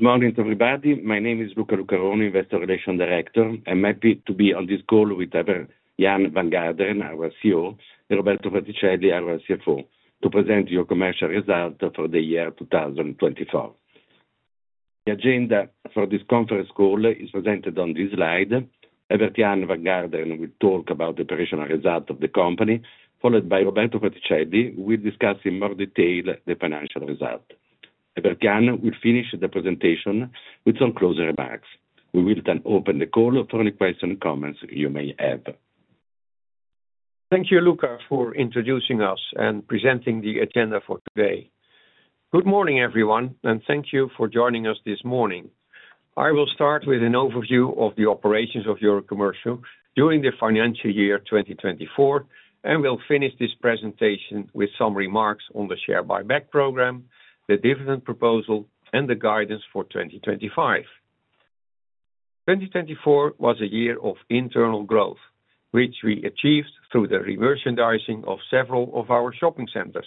Good morning, everybody. My name is Luca Lucaroni, Investor Relations Director. I'm happy to be on this call with Evert Jan van Garderen, our CEO, and Roberto Fraticelli, our CFO, to present Eurocommercial's result for the year 2024. The agenda for this conference call is presented on this slide. Evert Jan van Garderen will talk about the operational result of the company, followed by Roberto Fraticelli, who will discuss in more detail the financial result. Evert Jan will finish the presentation with some closing remarks. We will then open the call for any questions and comments you may have. Thank you, Luca, for introducing us and presenting the agenda for today. Good morning, everyone, and thank you for joining us this morning. I will start with an overview of the operations of Eurocommercial during the financial year 2024, and we'll finish this presentation with some remarks on the share buyback program, the dividend proposal, and the guidance for 2025. 2024 was a year of internal growth, which we achieved through the re-merchandising of several of our shopping centers,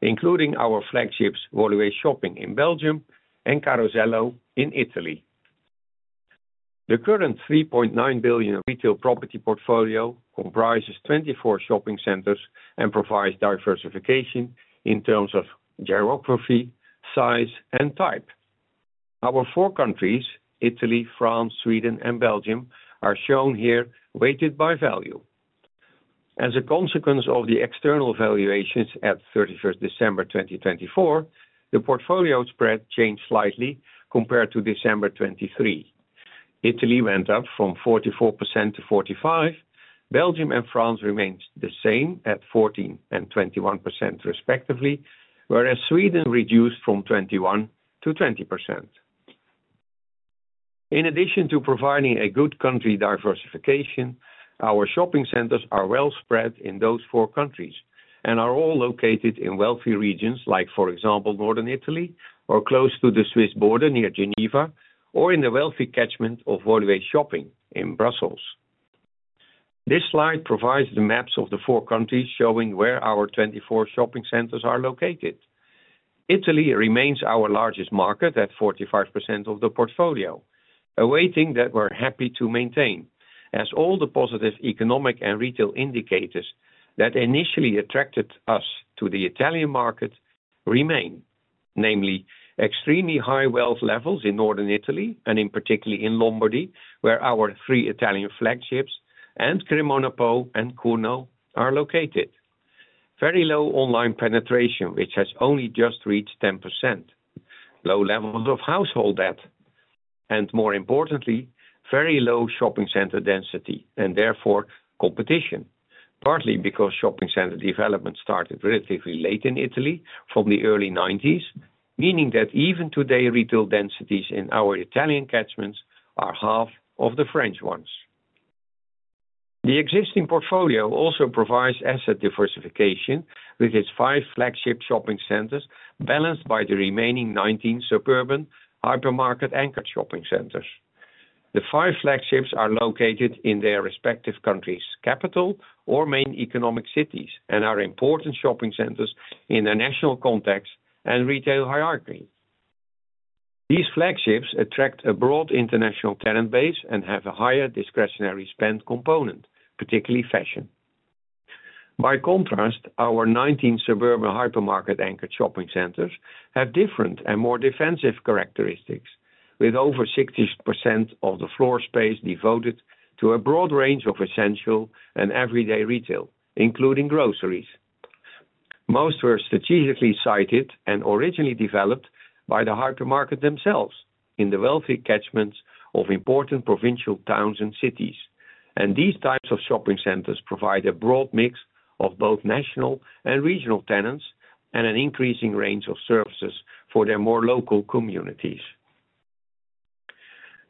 including our flagships, Woluwe Shopping in Belgium and Carosello in Italy. The current $3.9 billion retail property portfolio comprises 24 shopping centers and provides diversification in terms of geography, size, and type. Our four countries, Italy, France, Sweden, and Belgium, are shown here, weighted by value. As a consequence of the external valuations at 31st December 2024, the portfolio spread changed slightly compared to December 2023. Italy went up from 44%-45%. Belgium and France remained the same at 14% and 21%, respectively, whereas Sweden reduced from 21%-20%. In addition to providing a good country diversification, our shopping centers are well spread in those four countries and are all located in wealthy regions like, for example, northern Italy or close to the Swiss border near Geneva, or in the wealthy catchment of Woluwe Shopping in Brussels. This slide provides the maps of the four countries showing where our 24 shopping centers are located. Italy remains our largest market at 45% of the portfolio, a weighting that we're happy to maintain, as all the positive economic and retail indicators that initially attracted us to the Italian market remain, namely extremely high wealth levels in northern Italy and in particular in Lombardy, where our three Italian flagships and CremonaPo and Cuneo are located, very low online penetration, which has only just reached 10%, low levels of household debt, and more importantly, very low shopping center density and therefore competition, partly because shopping center development started relatively late in Italy from the early 1990s, meaning that even today retail densities in our Italian catchments are half of the French ones. The existing portfolio also provides asset diversification with its five flagship shopping centers balanced by the remaining 19 suburban hypermarket-anchored shopping centers. The five flagships are located in their respective country's capital or main economic cities and are important shopping centers in the national context and retail hierarchy. These flagships attract a broad international talent base and have a higher discretionary spend component, particularly fashion. By contrast, our 19 suburban hypermarket-anchored shopping centers have different and more defensive characteristics, with over 60% of the floor space devoted to a broad range of essential and everyday retail, including groceries. Most were strategically sited and originally developed by the hypermarket themselves in the wealthy catchments of important provincial towns and cities, and these types of shopping centers provide a broad mix of both national and regional tenants and an increasing range of services for their more local communities.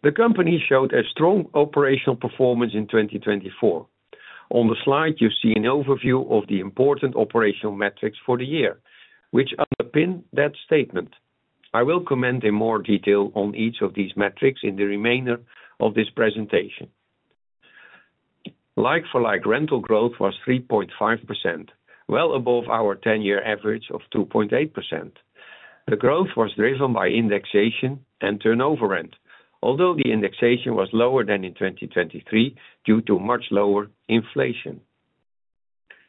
The company showed a strong operational performance in 2024. On the slide, you see an overview of the important operational metrics for the year, which underpin that statement. I will comment in more detail on each of these metrics in the remainder of this presentation. Like-for-like rental growth was 3.5%, well above our 10-year average of 2.8%. The growth was driven by indexation and turnover rent, although the indexation was lower than in 2023 due to much lower inflation.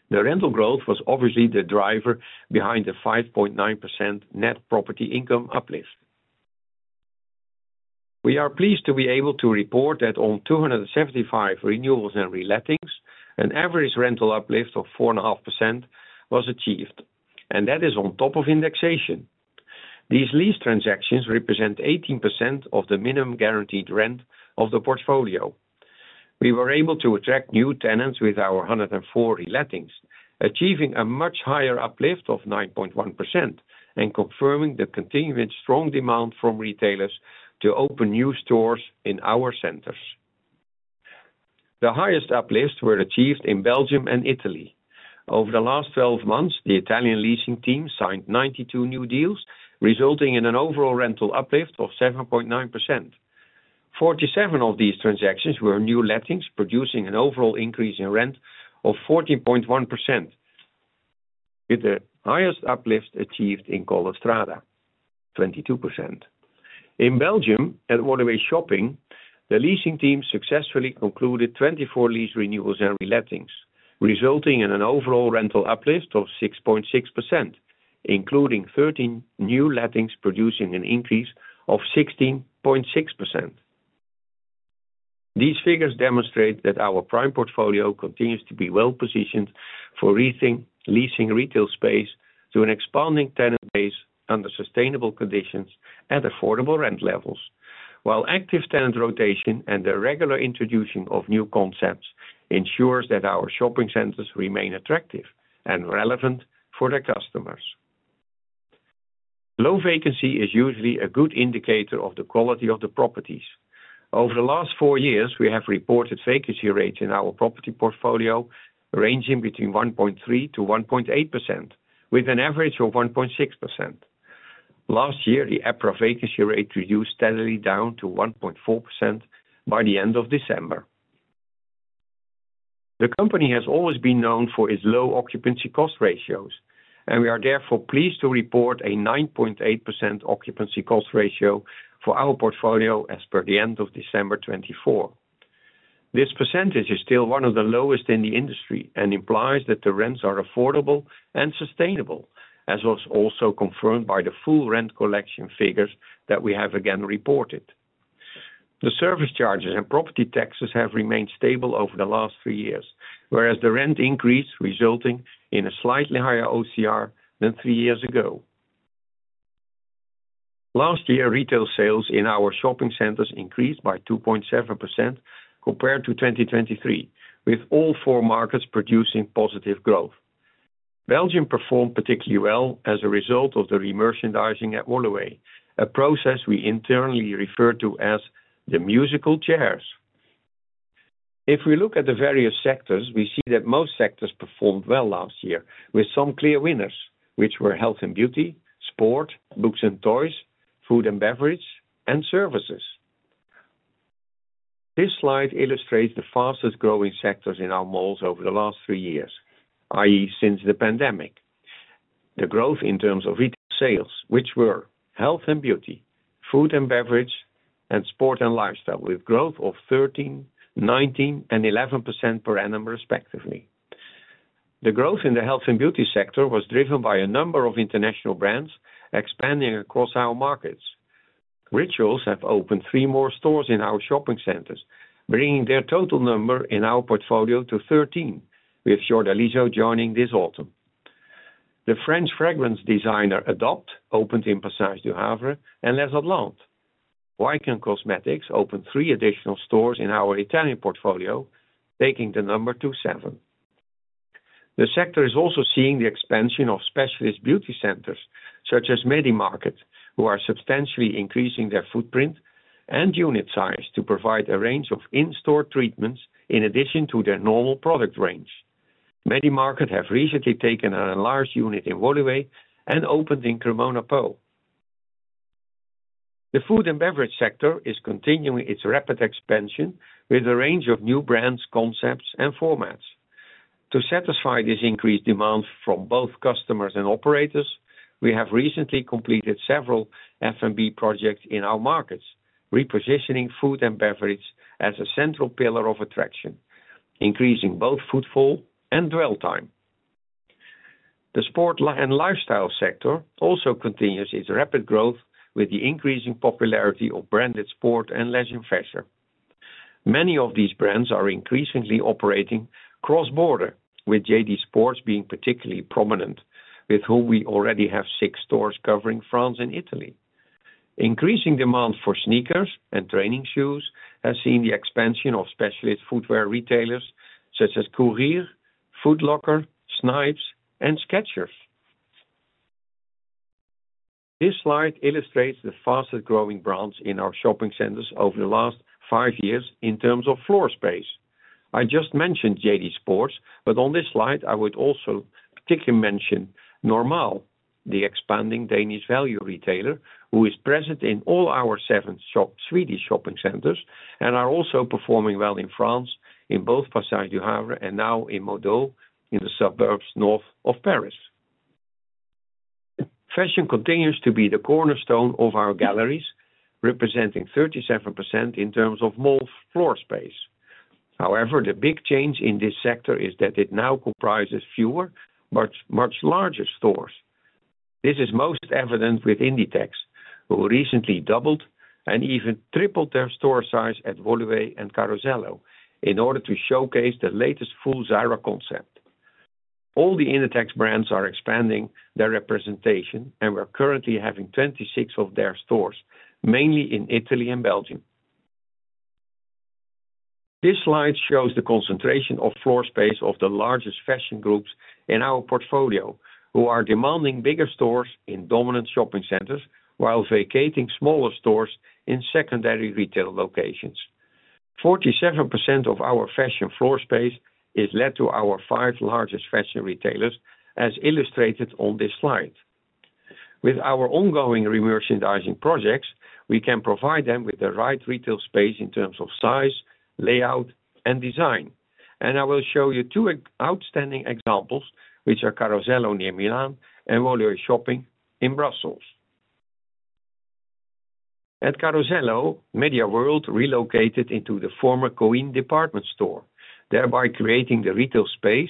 The rental growth was obviously the driver behind the 5.9% net property income uplift. We are pleased to be able to report that on 275 renewals and relettings, an average rental uplift of 4.5% was achieved, and that is on top of indexation. These lease transactions represent 18% of the minimum guaranteed rent of the portfolio. We were able to attract new tenants with our 104 relettings, achieving a much higher uplift of 9.1% and confirming the continuing strong demand from retailers to open new stores in our centers. The highest uplifts were achieved in Belgium and Italy. Over the last 12 months, the Italian leasing team signed 92 new deals, resulting in an overall rental uplift of 7.9%. Forty-seven of these transactions were new lettings, producing an overall increase in rent of 14.1%, with the highest uplift achieved in Collestrada, 22%. In Belgium and Woluwe Shopping, the leasing team successfully concluded 24 lease renewals and relettings, resulting in an overall rental uplift of 6.6%, including 13 new lettings, producing an increase of 16.6%. These figures demonstrate that our prime portfolio continues to be well positioned for retail space through an expanding tenant base under sustainable conditions and affordable rent levels, while active tenant rotation and the regular introduction of new concepts ensures that our shopping centers remain attractive and relevant for their customers. Low vacancy is usually a good indicator of the quality of the properties. Over the last four years, we have reported vacancy rates in our property portfolio ranging between 1.3%-1.8%, with an average of 1.6%. Last year, the upper vacancy rate reduced steadily down to 1.4% by the end of December. The company has always been known for its low occupancy cost ratios, and we are therefore pleased to report a 9.8% occupancy cost ratio for our portfolio as per the end of December 2024. This percentage is still one of the lowest in the industry and implies that the rents are affordable and sustainable, as was also confirmed by the full rent collection figures that we have again reported. The service charges and property taxes have remained stable over the last three years, whereas the rent increased resulting in a slightly higher OCR than three years ago. Last year, retail sales in our shopping centers increased by 2.7% compared to 2023, with all four markets producing positive growth. Belgium performed particularly well as a result of the re-merchandising at Woluwe, a process we internally refer to as the musical chairs. If we look at the various sectors, we see that most sectors performed well last year, with some clear winners, which were health and beauty, sport, books and toys, food and beverage, and services. This slide illustrates the fastest growing sectors in our malls over the last three years, i.e., since the pandemic. The growth in terms of retail sales, which were health and beauty, food and beverage, and sport and lifestyle, with growth of 13%, 19%, and 11% per annum, respectively. The growth in the health and beauty sector was driven by a number of international brands expanding across our markets. Rituals have opened three more stores in our shopping centers, bringing their total number in our portfolio to 13, with Fiordaliso joining this autumn. The French fragrance designer Adopt opened in Passage du Havre and Les Allandes. Wycke & Cosmetics opened three additional stores in our Italian portfolio, taking the number to seven. The sector is also seeing the expansion of specialist beauty centers such as MediMarket, who are substantially increasing their footprint and unit size to provide a range of in-store treatments in addition to their normal product range. MediMarket have recently taken on a large unit in Woluwe and opened in CremonaPo. The food and beverage sector is continuing its rapid expansion with a range of new brands, concepts, and formats. To satisfy this increased demand from both customers and operators, we have recently completed several F&B projects in our markets, repositioning food and beverage as a central pillar of attraction, increasing both footfall and dwell time. The sport and lifestyle sector also continues its rapid growth with the increasing popularity of branded sport and leisure fashion. Many of these brands are increasingly operating cross-border, with JD Sports being particularly prominent, with whom we already have six stores covering France and Italy. Increasing demand for sneakers and training shoes has seen the expansion of specialist footwear retailers such as Courir, Foot Locker, Snipes, and Skechers. This slide illustrates the fastest growing brands in our shopping centers over the last five years in terms of floor space. I just mentioned JD Sports, but on this slide, I would also particularly mention Normal, the expanding Danish value retailer, who is present in all our seven Swedish shopping centers and are also performing well in France in both Passage du Havre and now in Modèle in the suburbs north of Paris. Fashion continues to be the cornerstone of our galleries, representing 37% in terms of mall floor space. However, the big change in this sector is that it now comprises fewer but much larger stores. This is most evident with Inditex, who recently doubled and even tripled their store size at Woluwe and Carosello in order to showcase the latest full Zara concept. All the Inditex brands are expanding their representation and we're currently having 26 of their stores, mainly in Italy and Belgium. This slide shows the concentration of floor space of the largest fashion groups in our portfolio, who are demanding bigger stores in dominant shopping centers while vacating smaller stores in secondary retail locations. 47% of our fashion floor space is let to our five largest fashion retailers, as illustrated on this slide. With our ongoing re-merchandising projects, we can provide them with the right retail space in terms of size, layout, and design. I will show you two outstanding examples, which are Carosello near Milan and Woluwe Shopping in Brussels. At Carosello, MediaWorld relocated into the former Coin department store, thereby creating the retail space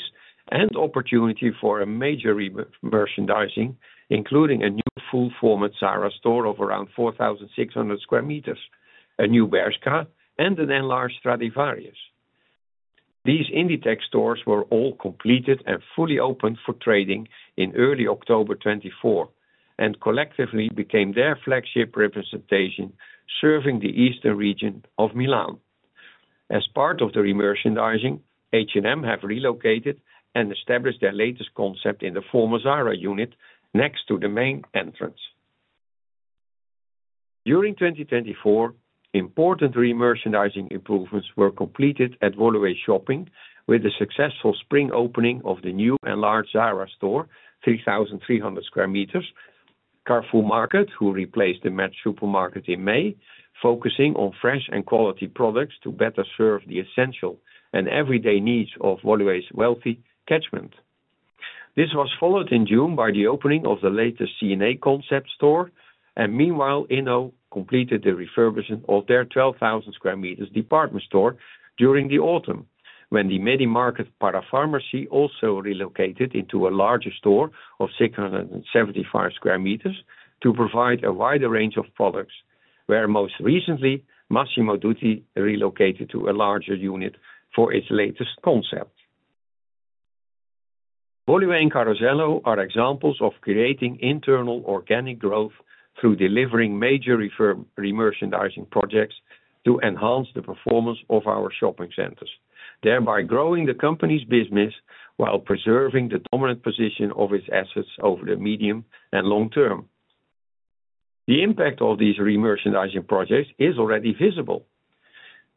and opportunity for a major re-merchandising, including a new full-format Zara store of around 4,600 sqm, a new Bershka, and an enlarged Stradivarius. These Inditex stores were all completed and fully opened for trading in early October 2024 and collectively became their flagship representation serving the eastern region of Milan. As part of the re-merchandising, H&M have relocated and established their latest concept in the former Zara unit next to the main entrance. During 2024, important re-merchandising improvements were completed at Woluwe Shopping with the successful spring opening of the new enlarged Zara store, 3,300 sqm, Carrefour Market, who replaced the Met supermarket in May, focusing on fresh and quality products to better serve the essential and everyday needs of Woluwe's wealthy catchment. This was followed in June by the opening of the latest C&A concept store, and meanwhile, Inno completed the refurbishment of their 12,000 sqm department store during the autumn when the MediMarket Parapharmacy also relocated into a larger store of 675 sqm to provide a wider range of products, where most recently, Massimo Dutti relocated to a larger unit for its latest concept. Woluwe and Carosello are examples of creating internal organic growth through delivering major re-merchandising projects to enhance the performance of our shopping centers, thereby growing the company's business while preserving the dominant position of its assets over the medium and long term. The impact of these re-merchandising projects is already visible.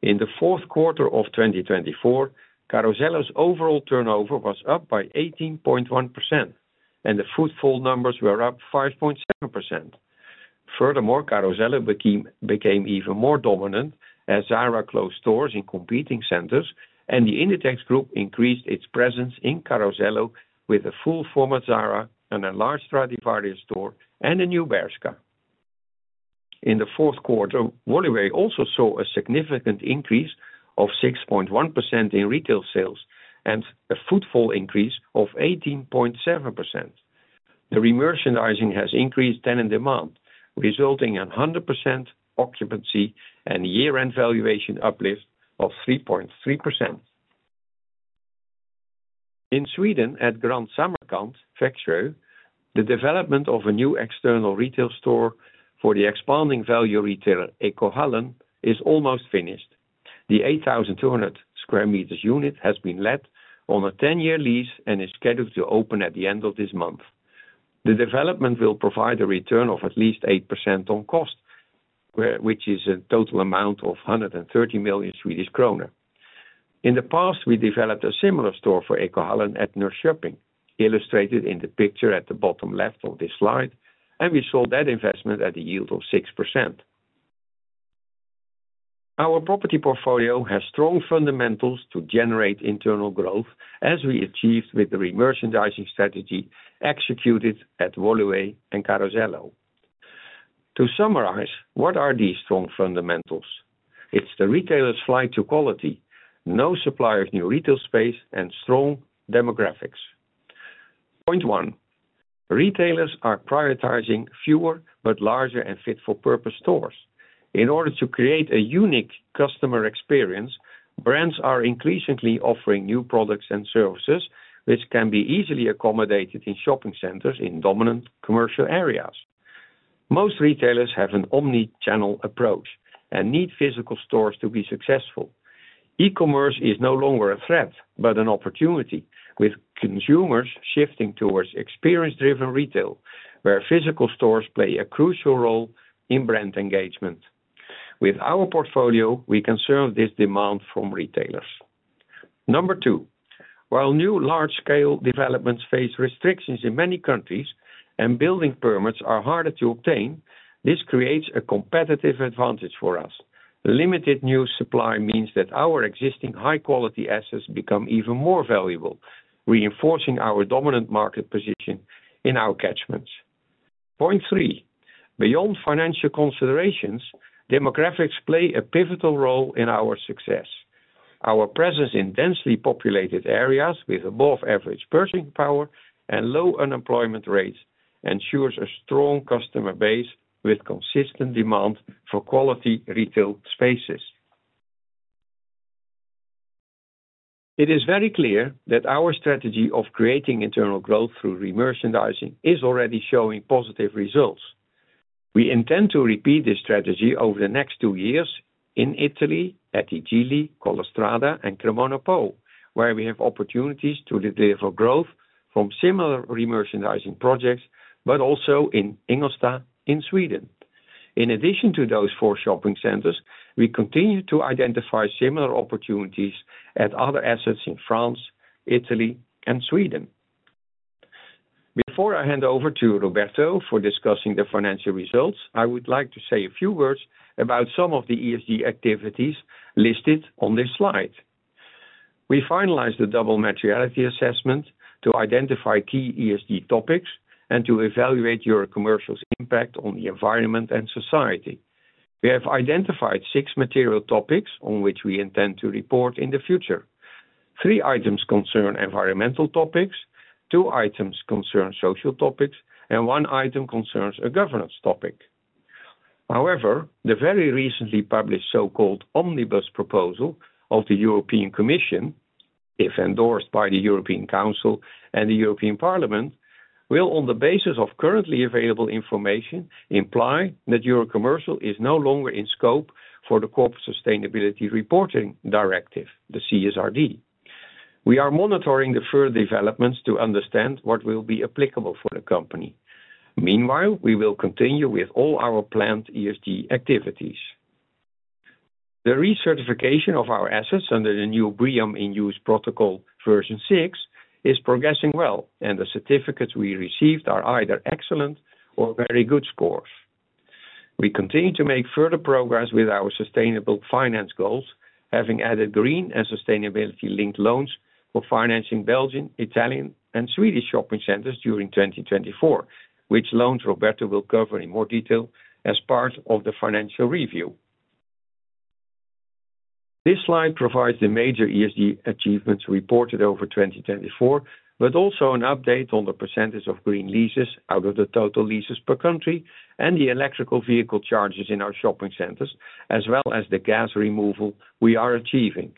In the fourth quarter of 2024, Carosello's overall turnover was up by 18.1%, and the footfall numbers were up 5.7%. Furthermore, Carosello became even more dominant as Zara closed stores in competing centers, and the Inditex group increased its presence in Carosello with a full-format Zara, an enlarged Stradivarius store, and a new Bershka. In the fourth quarter, Woluwe also saw a significant increase of 6.1% in retail sales and a footfall increase of 18.7%. The re-merchandising has increased tenant demand, resulting in 100% occupancy and year-end valuation uplift of 3.3%. In Sweden, at Grand Samarkand Växjö, the development of a new external retail store for the expanding value retailer EcoHallen is almost finished. The 8,200 sqm unit has been let on a 10-year lease and is scheduled to open at the end of this month. The development will provide a return of at least 8% on cost, which is a total amount of 130 million Swedish kronor. In the past, we developed a similar store for EcoHallen at Norrköping, illustrated in the picture at the bottom left of this slide, and we saw that investment at a yield of 6%. Our property portfolio has strong fundamentals to generate internal growth, as we achieved with the re-merchandising strategy executed at Woluwe and Carosello. To summarize, what are these strong fundamentals? It's the retailer's flight to quality, no supply of new retail space, and strong demographics. Point one, retailers are prioritizing fewer but larger and fit-for-purpose stores. In order to create a unique customer experience, brands are increasingly offering new products and services, which can be easily accommodated in shopping centers in dominant commercial areas. Most retailers have an omnichannel approach and need physical stores to be successful. E-commerce is no longer a threat but an opportunity, with consumers shifting towards experience-driven retail, where physical stores play a crucial role in brand engagement. With our portfolio, we can serve this demand from retailers. Number two, while new large-scale developments face restrictions in many countries and building permits are harder to obtain, this creates a competitive advantage for us. Limited new supply means that our existing high-quality assets become even more valuable, reinforcing our dominant market position in our catchments. Point three, beyond financial considerations, demographics play a pivotal role in our success. Our presence in densely populated areas with above-average purchasing power and low unemployment rates ensures a strong customer base with consistent demand for quality retail spaces. It is very clear that our strategy of creating internal growth through re-merchandising is already showing positive results. We intend to repeat this strategy over the next two years in Italy at I Gigli, Collestrada, and CremonaPo, where we have opportunities to deliver growth from similar re-merchandising projects, but also in Ingelsta in Sweden. In addition to those four shopping centers, we continue to identify similar opportunities at other assets in France, Italy, and Sweden. Before I hand over to Roberto for discussing the financial results, I would like to say a few words about some of the ESG activities listed on this slide. We finalized the double materiality assessment to identify key ESG topics and to evaluate Eurocommercial's impact on the environment and society. We have identified six material topics on which we intend to report in the future. Three items concern environmental topics, two items concern social topics, and one item concerns a governance topic. However, the very recently published so-called omnibus proposal of the European Commission, if endorsed by the European Council and the European Parliament, will, on the basis of currently available information, imply that Eurocommercial is no longer in scope for the Corporate Sustainability Reporting Directive, the CSRD. We are monitoring the further developments to understand what will be applicable for the company. Meanwhile, we will continue with all our planned ESG activities. The recertification of our assets under the new BREEAM in Use Protocol version 6 is progressing well, and the certificates we received are either excellent or very good scores. We continue to make further progress with our sustainable finance goals, having added green and sustainability-linked loans for financing Belgian, Italian, and Swedish shopping centers during 2024, which loans Roberto will cover in more detail as part of the financial review. This slide provides the major ESG achievements reported over 2024, but also an update on the percentage of green leases out of the total leases per country and the electrical vehicle charges in our shopping centers, as well as the gas removal we are achieving.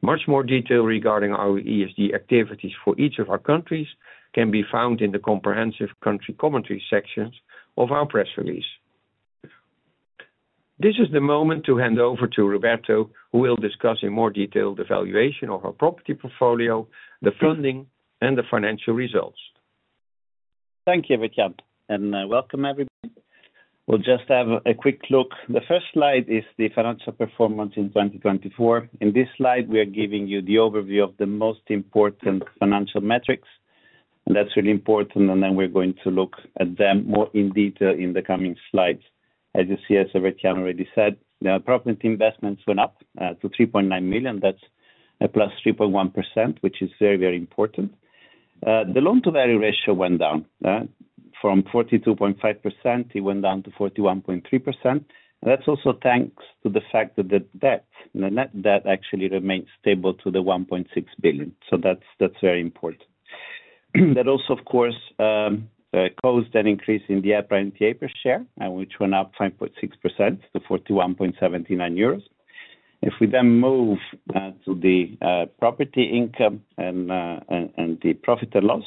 Much more detail regarding our ESG activities for each of our countries can be found in the comprehensive country commentary sections of our press release. This is the moment to hand over to Roberto, who will discuss in more detail the valuation of our property portfolio, the funding, and the financial results. Thank you, Evert Jan, and welcome everyone. We'll just have a quick look. The first slide is the financial performance in 2024. In this slide, we are giving you the overview of the most important financial metrics, and that's really important. We are going to look at them more in detail in the coming slides. As you see, as Evert Jan already said, the property investments went up to $3.9 billion. That's a +3.1%, which is very, very important. The loan-to-value ratio went down from 42.5%. It went down to 41.3%. That's also thanks to the fact that the debt, the net debt, actually remained stable to the 1.6 billion. So that's very important. That also, of course, caused an increase in the EPRA NTA per share, which went up 5.6% to 41.79 euros. If we then move to the property income and the profit and loss,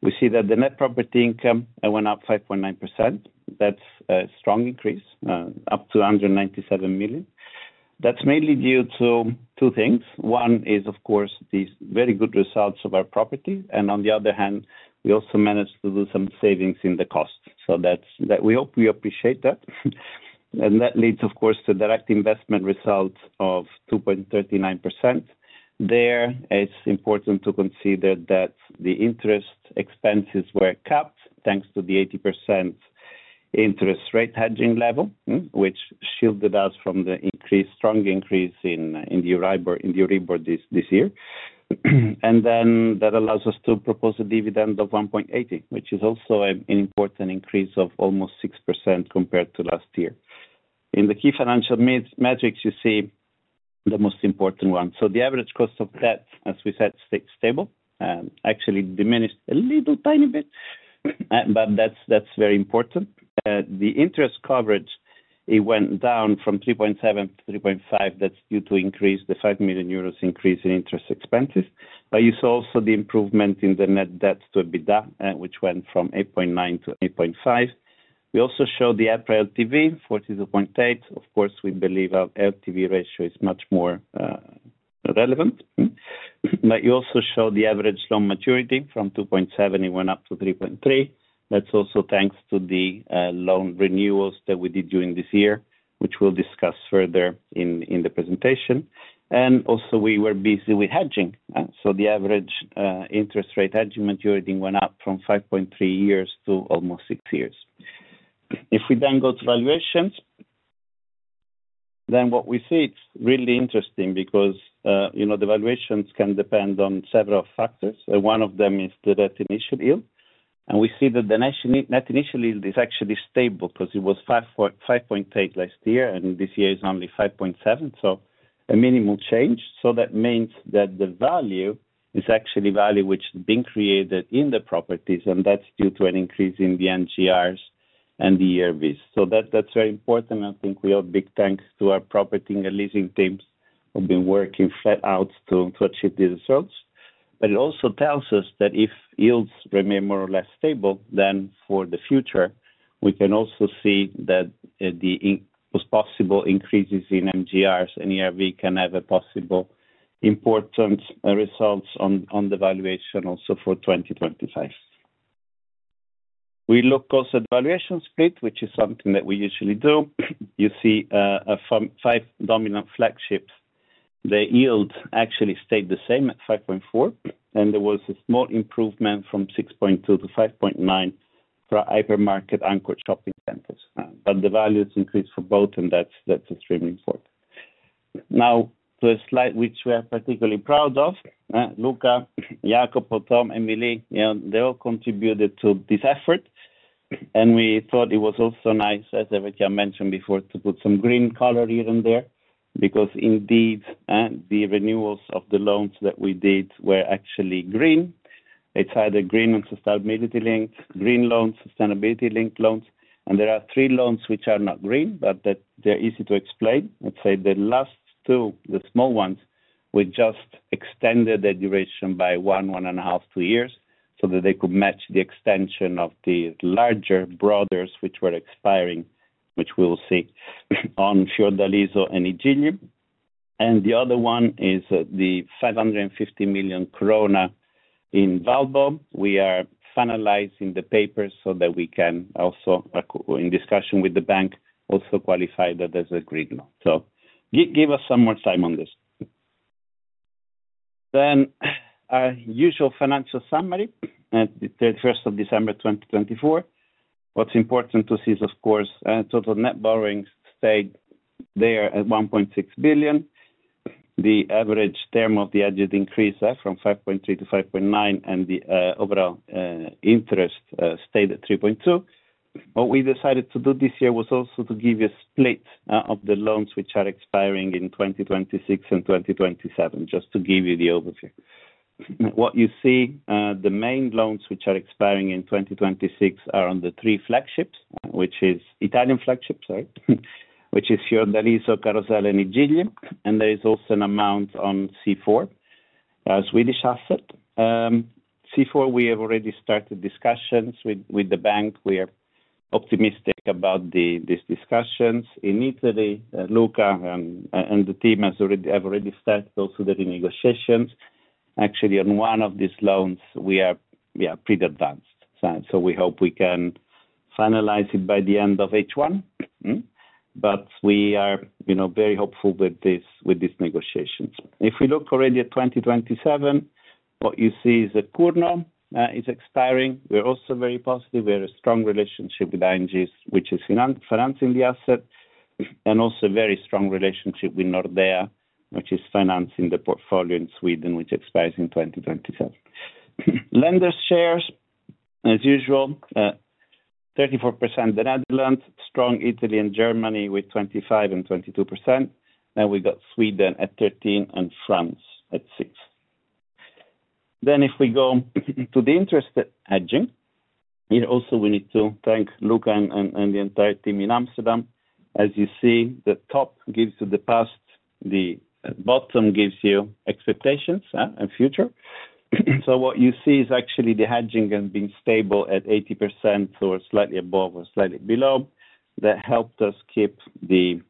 we see that the net property income went up 5.9%. That is a strong increase up to 197 million. That is mainly due to two things. One is, of course, these very good results of our property. On the other hand, we also managed to do some savings in the cost. We hope you appreciate that. That leads, of course, to direct investment result of 127.9 million. There, it is important to consider that the interest expenses were capped thanks to the 80% interest rate hedging level, which shielded us from the strong increase in the Euribor this year. That allows us to propose a dividend of 1.80, which is also an important increase of almost 6% compared to last year. In the key financial metrics, you see the most important one. The average cost of debt, as we said, stayed stable. Actually, it diminished a little tiny bit, but that is very important. The interest coverage went down from 3.7%-3.5%. That is due to the 5 million euros increase in interest expenses. You saw also the improvement in the net debt to EBITDA, which went from 8.9%-8.5%. We also showed the apprehended LTV, 42.8%. Of course, we believe our LTV ratio is much more relevant. You also saw the average loan maturity from 2.7%, it went up to 3.3%. That is also thanks to the loan renewals that we did during this year, which we will discuss further in the presentation. We were also busy with hedging. The average interest rate hedging maturity went up from 5.3 years to almost 6 years. If we then go to valuations, what we see is really interesting because the valuations can depend on several factors. One of them is the net initial yield. We see that the net initial yield is actually stable because it was 5.8% last year, and this year is only 5.7%. A minimal change. That means that the value is actually value which has been created in the properties, and that is due to an increase in the NGRs and the ERVs. That is very important. I think we owe big thanks to our property and leasing teams who have been working flat out to achieve these results. It also tells us that if yields remain more or less stable, then for the future, we can also see that the possible increases in MGRs and ERV can have possible important results on the valuation also for 2025. We look also at the valuation split, which is something that we usually do. You see five dominant flagships. The yield actually stayed the same at 5.4%, and there was a small improvement from 6.2%-5.9% for hypermarket anchored shopping centers. The values increased for both, and that's extremely important. Now, to a slide which we are particularly proud of, Luca, Jakob, Tom, and Neil, they all contributed to this effort. We thought it was also nice, as Evert Jan van Garderen mentioned before, to put some green color here and there because indeed the renewals of the loans that we did were actually green. It's either green and sustainability-linked green loans, sustainability-linked loans. There are three loans which are not green, but they're easy to explain. Let's say the last two, the small ones, we just extended their duration by one, one and a half, two years so that they could match the extension of the larger brothers which were expiring, which we will see on Fiordaliso and Igigli. The other one is the 550 million krona in Valbo. We are finalizing the papers so that we can also, in discussion with the bank, also qualify that as a green loan. Give us some more time on this. Our usual financial summary at the 31st of December 2024. What's important to see is, of course, total net borrowing stayed there at 1.6 billion. The average term of the aggregate increased from 5.3%-5.9%, and the overall interest stayed at 3.2%. What we decided to do this year was also to give you a split of the loans which are expiring in 2026 and 2027, just to give you the overview. What you see, the main loans which are expiring in 2026 are on the three flagships, which is Italian flagship, sorry, which is Fiordaliso, Carosello, and I Gigli. There is also an amount on C4, a Swedish asset. C4, we have already started discussions with the bank. We are optimistic about these discussions. In Italy, Luca and the team have already started also the renegotiations. Actually, on one of these loans, we are pretty advanced. We hope we can finalize it by the end of H1. We are very hopeful with these negotiations. If we look already at 2027, what you see is that Kuhn is expiring. We're also very positive. We have a strong relationship with ING, which is financing the asset, and also a very strong relationship with Nordea, which is financing the portfolio in Sweden, which expires in 2027. Lender shares, as usual, 34% in the Netherlands, strong Italy and Germany with 25% and 22%. We got Sweden at 13% and France at 6%. If we go to the interest hedging, also we need to thank Luca and the entire team in Amsterdam. As you see, the top gives you the past. The bottom gives you expectations and future. What you see is actually the hedging has been stable at 80% or slightly above or slightly below. That helped us keep the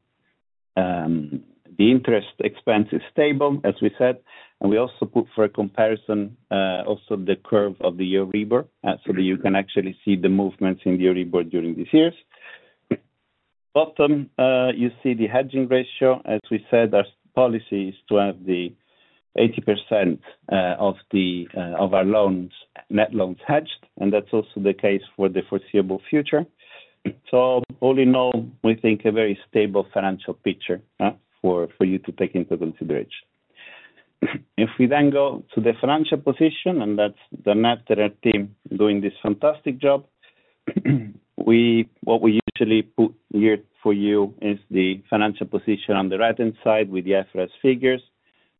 interest expenses stable, as we said. We also put for a comparison the curve of the Euribor so that you can actually see the movements in the Euribor during these years. At the bottom, you see the hedging ratio. As we said, our policy is to have 80% of our net loans hedged. That is also the case for the foreseeable future. All in all, we think a very stable financial picture for you to take into consideration. If we go to the financial position, and that is the net team doing this fantastic job, what we usually put here for you is the financial position on the right-hand side with the FRS figures.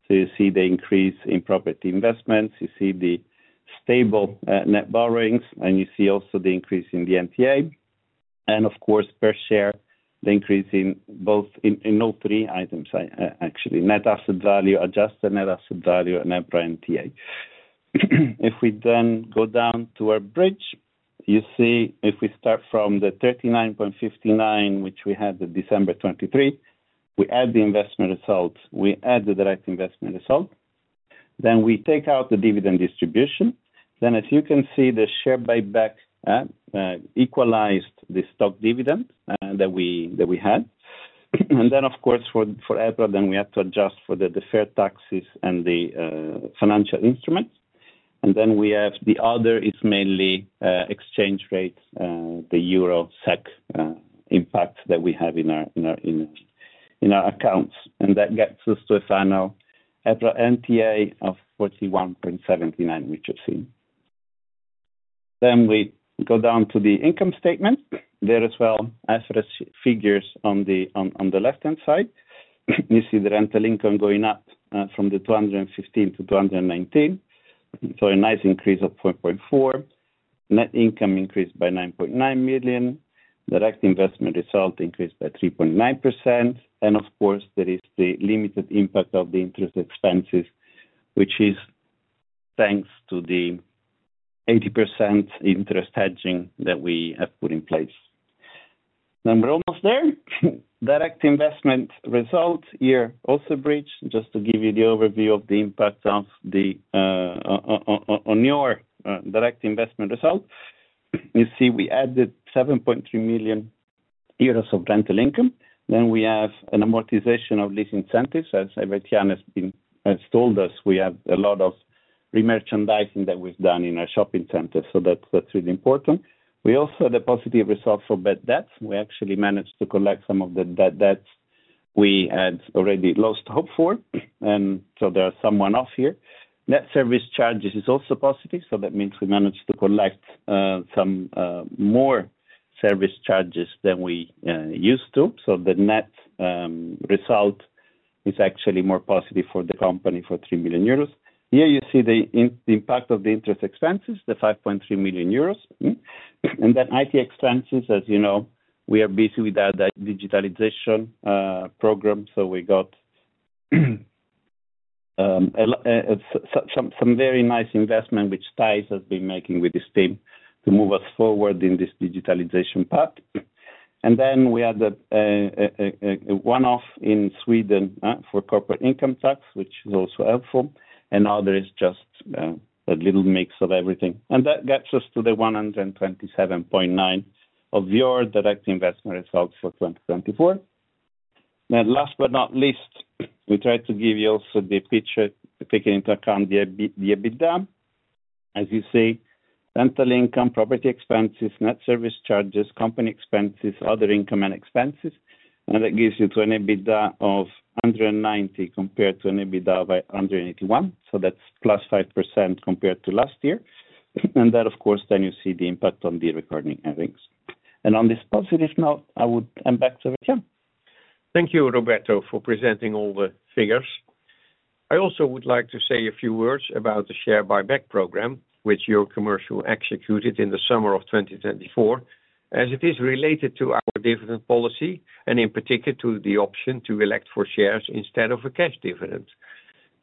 You see the increase in property investments. You see the stable net borrowings, and you see also the increase in the NTA. Of course, per share, the increase in both in all three items, actually, net asset value, adjusted net asset value, and net NTA. If we then go down to our bridge, you see if we start from the 39.59, which we had in December 2023, we add the investment results. We add the direct investment result. We take out the dividend distribution. As you can see, the share buyback equalized the stock dividend that we had. For EPRA, we have to adjust for the fair taxes and the financial instruments. The other is mainly exchange rates, the euro SEK impact that we have in our accounts. That gets us to a final EPRA NTA of 41.79, which you have seen. We go down to the income statement. There as well, IFRS figures on the left-hand side. You see the rental income going up from 215 million-219 million. A nice increase of 4.4%. Net income increased by 9.9 million. Direct investment result increased by 3.9%. Of course, there is the limited impact of the interest expenses, which is thanks to the 80% interest hedging that we have put in place. We are almost there. Direct investment result here also bridged. Just to give you the overview of the impact on your direct investment result, you see we added 7.3 million euros of rental income. Then we have an amortization of lease incentives. As Evert Jan van Garderen has told us, we have a lot of re-merchandising that we've done in our shopping centers. That is really important. We also had a positive result for bad debts. We actually managed to collect some of the bad debts we had already lost hope for. There are some one-off here. Net service charges is also positive. That means we managed to collect some more service charges than we used to. The net result is actually more positive for the company for 3 million euros. Here you see the impact of the interest expenses, the 5.3 million euros. IT expenses, as you know, we are busy with our digitalization program. We got some very nice investment, which TISE has been making with this team to move us forward in this digitalization path. We had a one-off in Sweden for corporate income tax, which is also helpful. Others just a little mix of everything. That gets us to the 127.9 million of your direct investment result for 2024. Last but not least, we tried to give you also the picture taking into account the EBITDA. As you see, rental income, property expenses, net service charges, company expenses, other income and expenses. That gives you to an EBITDA of 190 million compared to an EBITDA of 181 million. That is +5% compared to last year. Of course, you see the impact on the recording earnings. On this positive note, I would hand back to Evert Jan. Thank you, Roberto, for presenting all the figures. I also would like to say a few words about the share buyback program, which Eurocommercial executed in the summer of 2024, as it is related to our dividend policy and in particular to the option to elect for shares instead of a cash dividend.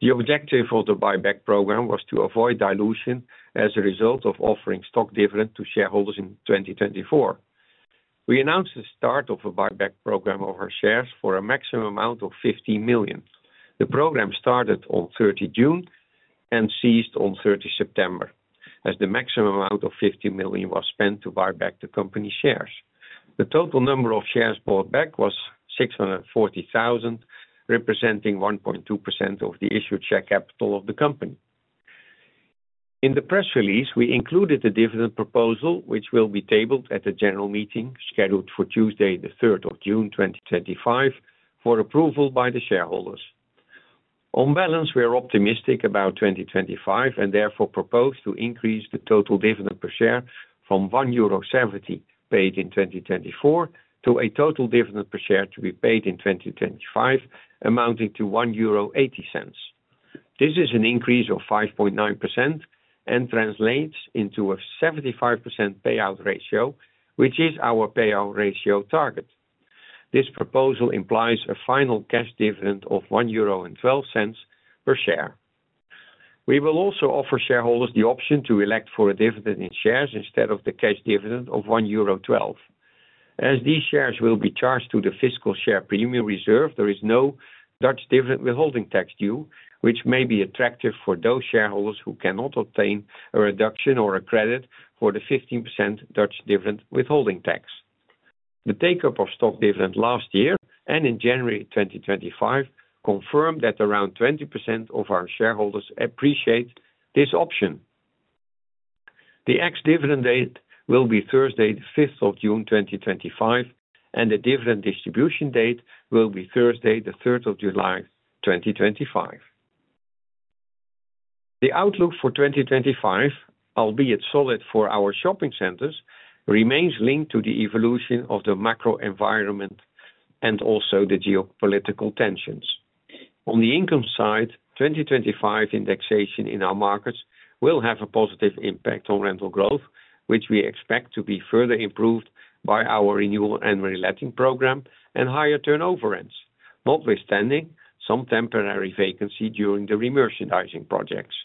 The objective of the buyback program was to avoid dilution as a result of offering stock dividend to shareholders in 2024. We announced the start of a buyback program of our shares for a maximum amount of 15 million. The program started on 30th June and ceased on 30th September, as the maximum amount of 15 million was spent to buy back the company shares. The total number of shares bought back was 640,000, representing 1.2% of the issued share capital of the company. In the press release, we included the dividend proposal, which will be tabled at the general meeting scheduled for Tuesday, the 3rd of June 2025, for approval by the shareholders. On balance, we are optimistic about 2025 and therefore propose to increase the total dividend per share from 1.70 euro paid in 2024 to a total dividend per share to be paid in 2025, amounting to 1.80 euro. This is an increase of 5.9% and translates into a 75% payout ratio, which is our payout ratio target. This proposal implies a final cash dividend of 1.12 euro per share. We will also offer shareholders the option to elect for a dividend in shares instead of the cash dividend of 1.12 euro. As these shares will be charged to the fiscal share premium reserve, there is no Dutch dividend withholding tax due, which may be attractive for those shareholders who cannot obtain a reduction or a credit for the 15% Dutch dividend withholding tax. The take-up of stock dividend last year and in January 2025 confirmed that around 20% of our shareholders appreciate this option. The ex-dividend date will be Thursday, the 5th of June 2025, and the dividend distribution date will be Thursday, the 3rd of July 2025. The outlook for 2025, albeit solid for our shopping centers, remains linked to the evolution of the macro environment and also the geopolitical tensions. On the income side, 2025 indexation in our markets will have a positive impact on rental growth, which we expect to be further improved by our renewal and reletting program and higher turnover rents, notwithstanding some temporary vacancy during the re-merchandising projects.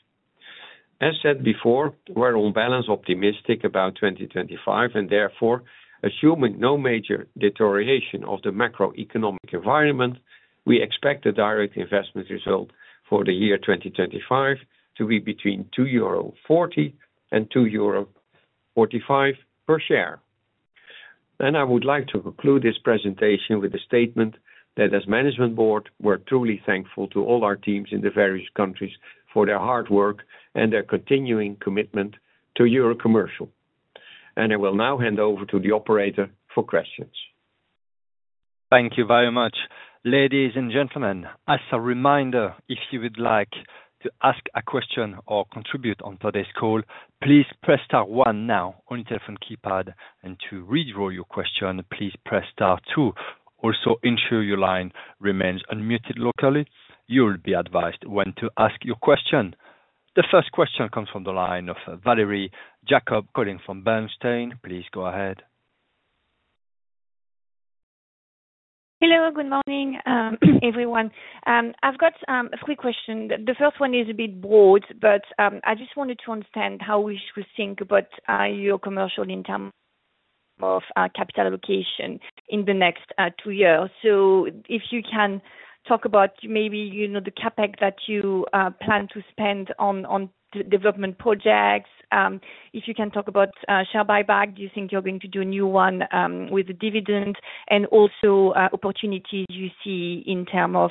As said before, we are on balance optimistic about 2025, and therefore, assuming no major deterioration of the macroeconomic environment, we expect the direct investment result for the year 2025 to be between 2.40 euro and 2.45 euro per share. I would like to conclude this presentation with a statement that, as Management Board, we are truly thankful to all our teams in the various countries for their hard work and their continuing commitment to Eurocommercial. I will now hand over to the operator for questions. Thank you very much. Ladies and gentlemen, as a reminder, if you would like to ask a question or contribute on today's call, please press star one now on your telephone keypad. To redraw your question, please press star two. Also, ensure your line remains unmuted locally. You will be advised when to ask your question. The first question comes from the line of Valerie Jacob, calling from Bernstein. Please go ahead. Hello, good morning, everyone. I've got a quick question. The first one is a bit broad, but I just wanted to understand how you think about Eurocommercial in terms of capital allocation in the next two years. If you can talk about maybe the CapEx that you plan to spend on development projects, if you can talk about share buyback, do you think you're going to do a new one with a dividend, and also opportunities you see in terms of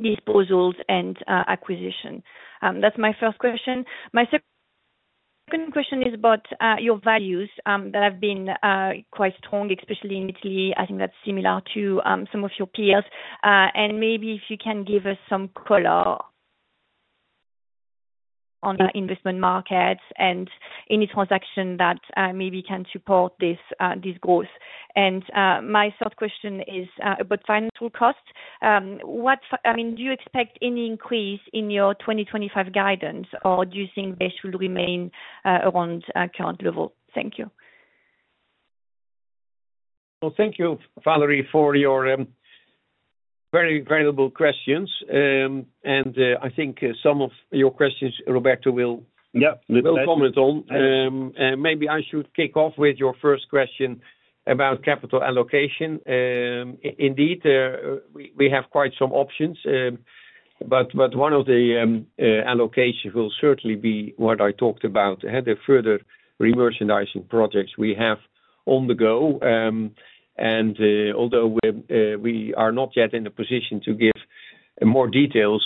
disposals and acquisition? That's my first question. My second question is about your values that have been quite strong, especially in Italy. I think that's similar to some of your peers. Maybe if you can give us some color on investment markets and any transaction that maybe can support this growth. My third question is about financial costs. I mean, do you expect any increase in your 2025 guidance, or do you think they should remain around current level? Thank you. Thank you, Valerie, for your very valuable questions. I think some of your questions, Roberto, will comment on. Maybe I should kick off with your first question about capital allocation. Indeed, we have quite some options, but one of the allocations will certainly be what I talked about, the further re-merchandising projects we have on the go. Although we are not yet in a position to give more details,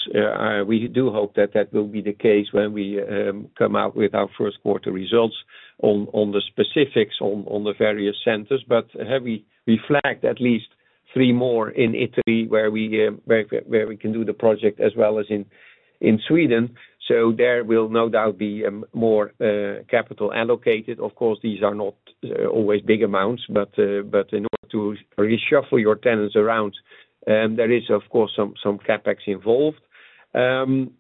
we do hope that that will be the case when we come out with our first quarter results on the specifics on the various centers. We flagged at least three more in Italy where we can do the project as well as in Sweden. There will no doubt be more capital allocated. Of course, these are not always big amounts, but in order to reshuffle your tenants around, there is, of course, some CapEx involved.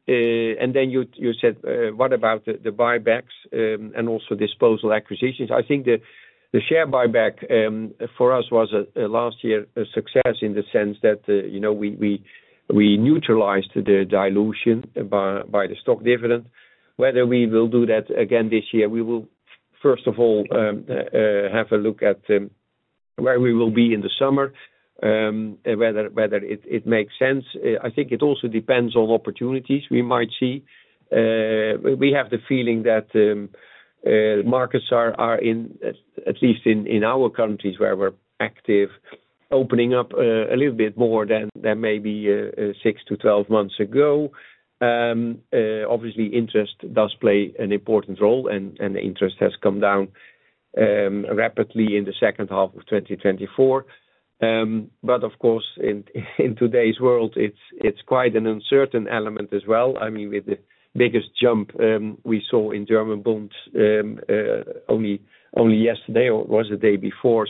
You said, what about the buybacks and also disposal acquisitions? I think the share buyback for us was last year a success in the sense that we neutralized the dilution by the stock dividend. Whether we will do that again this year, we will, first of all, have a look at where we will be in the summer, whether it makes sense. I think it also depends on opportunities we might see. We have the feeling that markets are in, at least in our countries where we're active, opening up a little bit more than maybe 6 to 12 months ago. Obviously, interest does play an important role, and interest has come down rapidly in the second half of 2024. Of course, in today's world, it's quite an uncertain element as well. I mean, with the biggest jump we saw in German bonds only yesterday or was the day before.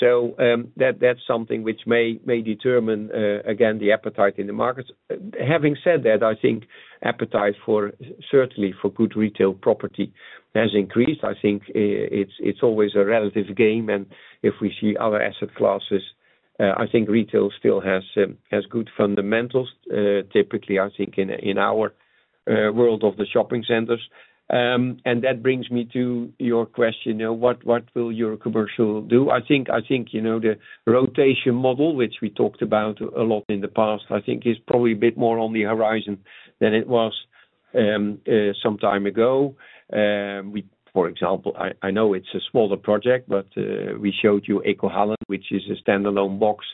That is something which may determine, again, the appetite in the markets. Having said that, I think appetite certainly for good retail property has increased. I think it is always a relative game. If we see other asset classes, I think retail still has good fundamentals, typically, I think, in our world of the shopping centers. That brings me to your question. What will Eurocommercial do? I think the rotation model, which we talked about a lot in the past, is probably a bit more on the horizon than it was some time ago. For example, I know it is a smaller project, but we showed you EcoHallen, which is a standalone box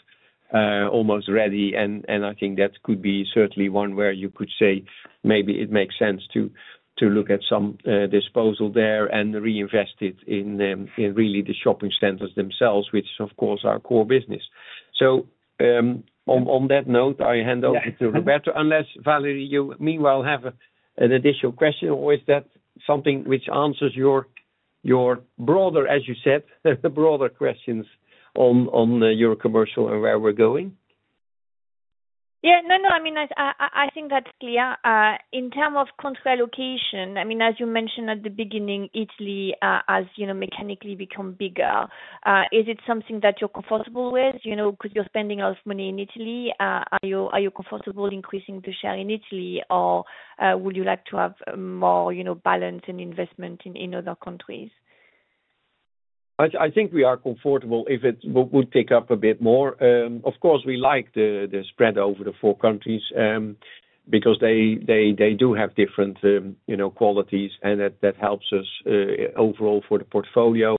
almost ready. I think that could be certainly one where you could say maybe it makes sense to look at some disposal there and reinvest it in really the shopping centers themselves, which is, of course, our core business. On that note, I hand over to Roberto, unless Valerie, you meanwhile have an additional question, or is that something which answers your broader, as you said, broader questions on Eurocommercial and where we're going? Yeah. No, no. I mean, I think that's clear. In terms of contract allocation, I mean, as you mentioned at the beginning, Italy has mechanically become bigger. Is it something that you're comfortable with? Because you're spending a lot of money in Italy, are you comfortable increasing the share in Italy, or would you like to have more balance and investment in other countries? I think we are comfortable if it would take up a bit more. Of course, we like the spread over the four countries because they do have different qualities, and that helps us overall for the portfolio.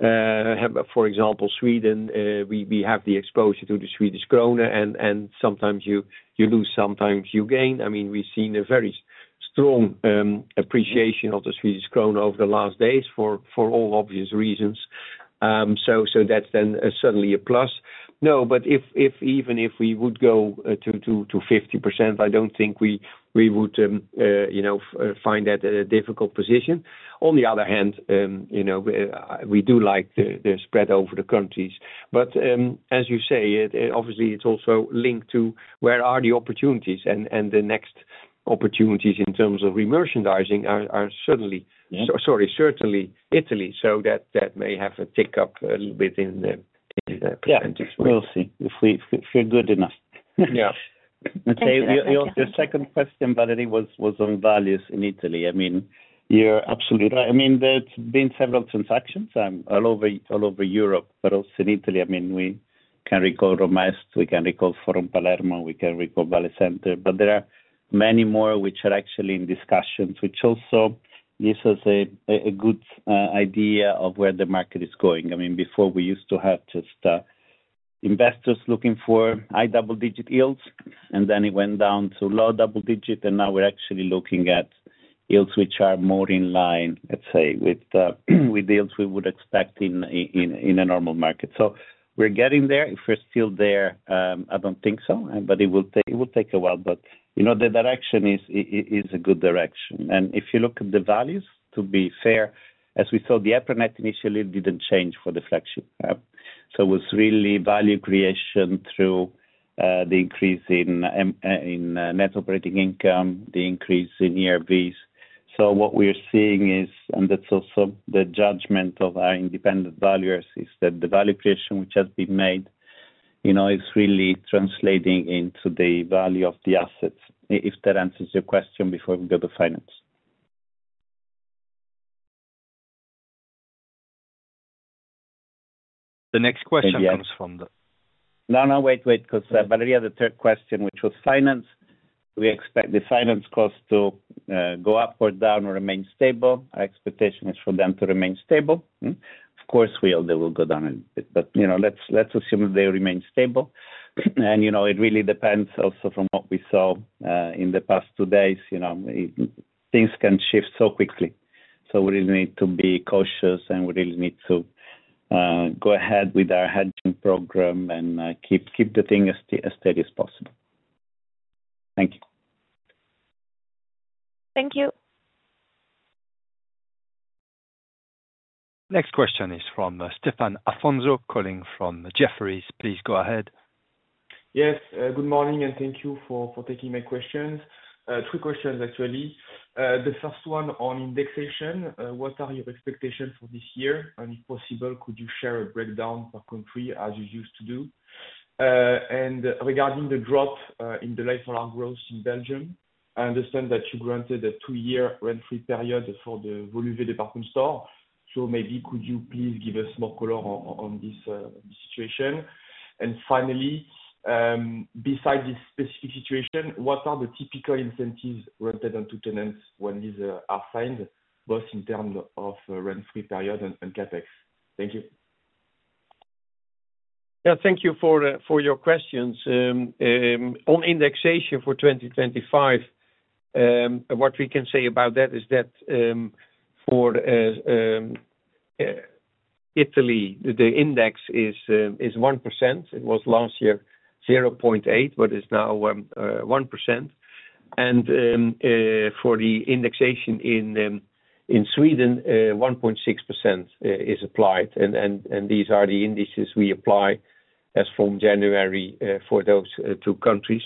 For example, Sweden, we have the exposure to the Swedish krona, and sometimes you lose, sometimes you gain. I mean, we've seen a very strong appreciation of the Swedish krona over the last days for all obvious reasons. That is then certainly a plus. No, but even if we would go to 50%, I do not think we would find that a difficult position. On the other hand, we do like the spread over the countries. As you say, obviously, it is also linked to where are the opportunities, and the next opportunities in terms of re-merchandising are certainly, sorry, certainly Italy. That may have a tick up a little bit in the percentage. We'll see if we're good enough. Yeah. The second question, Valerie, was on values in Italy. You're absolutely right. There's been several transactions all over Europe, but also in Italy. We can recall Romast, we can recall Forum Palermo, we can recall Valicente, but there are many more which are actually in discussions, which also gives us a good idea of where the market is going. Before, we used to have just investors looking for high double-digit yields, and then it went down to low double-digit, and now we're actually looking at yields which are more in line, let's say, with the yields we would expect in a normal market. We're getting there. If we're still there, I don't think so, but it will take a while. The direction is a good direction. If you look at the values, to be fair, as we saw, the apparent net initially did not change for the flagship. It was really value creation through the increase in net operating income, the increase in ERVs. What we are seeing is, and that is also the judgment of our independent valuers, the value creation which has been made is really translating into the value of the assets, if that answers your question before we go to finance. The next question comes from the. No, no, wait, because Valerie, the third question, which was finance, we expect the finance costs to go up or down or remain stable. Our expectation is for them to remain stable. Of course, they will go down a bit, but let us assume they remain stable. It really depends also from what we saw in the past two days. Things can shift so quickly. We really need to be cautious, and we really need to go ahead with our hedging program and keep the thing as steady as possible. Thank you. Thank you. Next question is from Stefan Olson calling from Jefferies. Please go ahead. Yes. Good morning, and thank you for taking my questions. Two questions, actually. The first one on indexation. What are your expectations for this year? If possible, could you share a breakdown per country as you used to do? Regarding the drop in the lifetime growth in Belgium, I understand that you granted a two-year rent-free period for the Woluwe Parcours Store. Maybe could you please give us more color on this situation? Finally, besides this specific situation, what are the typical incentives granted unto tenants when these are signed, both in terms of rent-free period and CapEx? Thank you. Yeah, thank you for your questions. On indexation for 2025, what we can say about that is that for Italy, the index is 1%. It was last year 0.8%, but it is now 1%. For the indexation in Sweden, 1.6% is applied. These are the indices we apply as from January for those two countries.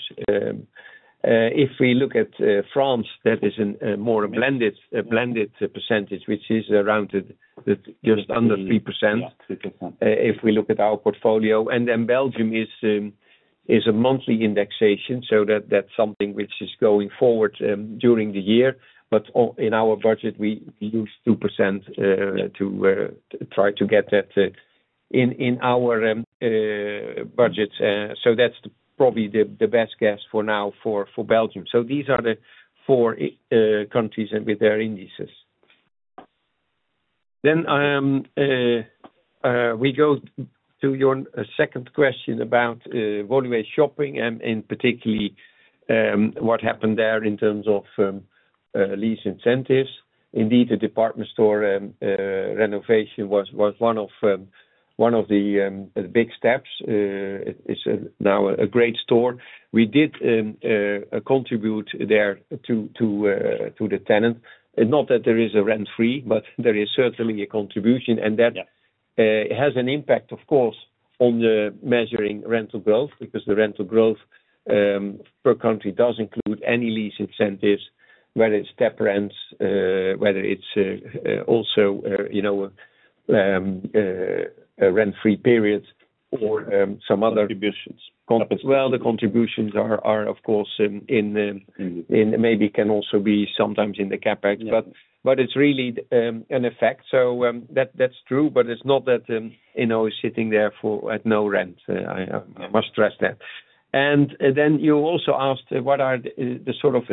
If we look at France, that is a more blended percentage, which is around just under 3% if we look at our portfolio. Belgium is a monthly indexation, so that is something which is going forward during the year. In our budget, we use 2% to try to get that in our budgets. That is probably the best guess for now for Belgium. These are the four countries with their indices. We go to your second question about Woluwe Shopping, and particularly what happened there in terms of lease incentives. Indeed, the department store renovation was one of the big steps. It is now a great store. We did contribute there to the tenant. Not that there is a rent-free, but there is certainly a contribution. That has an impact, of course, on measuring rental growth because the rental growth per country does include any lease incentives, whether it is step rents, whether it is also a rent-free period, or some other contributions. The contributions are, of course, maybe can also be sometimes in the CapEx, but it is really an effect. That is true, but it is not that it is sitting there at no rent. I must stress that. You also asked what are the sort of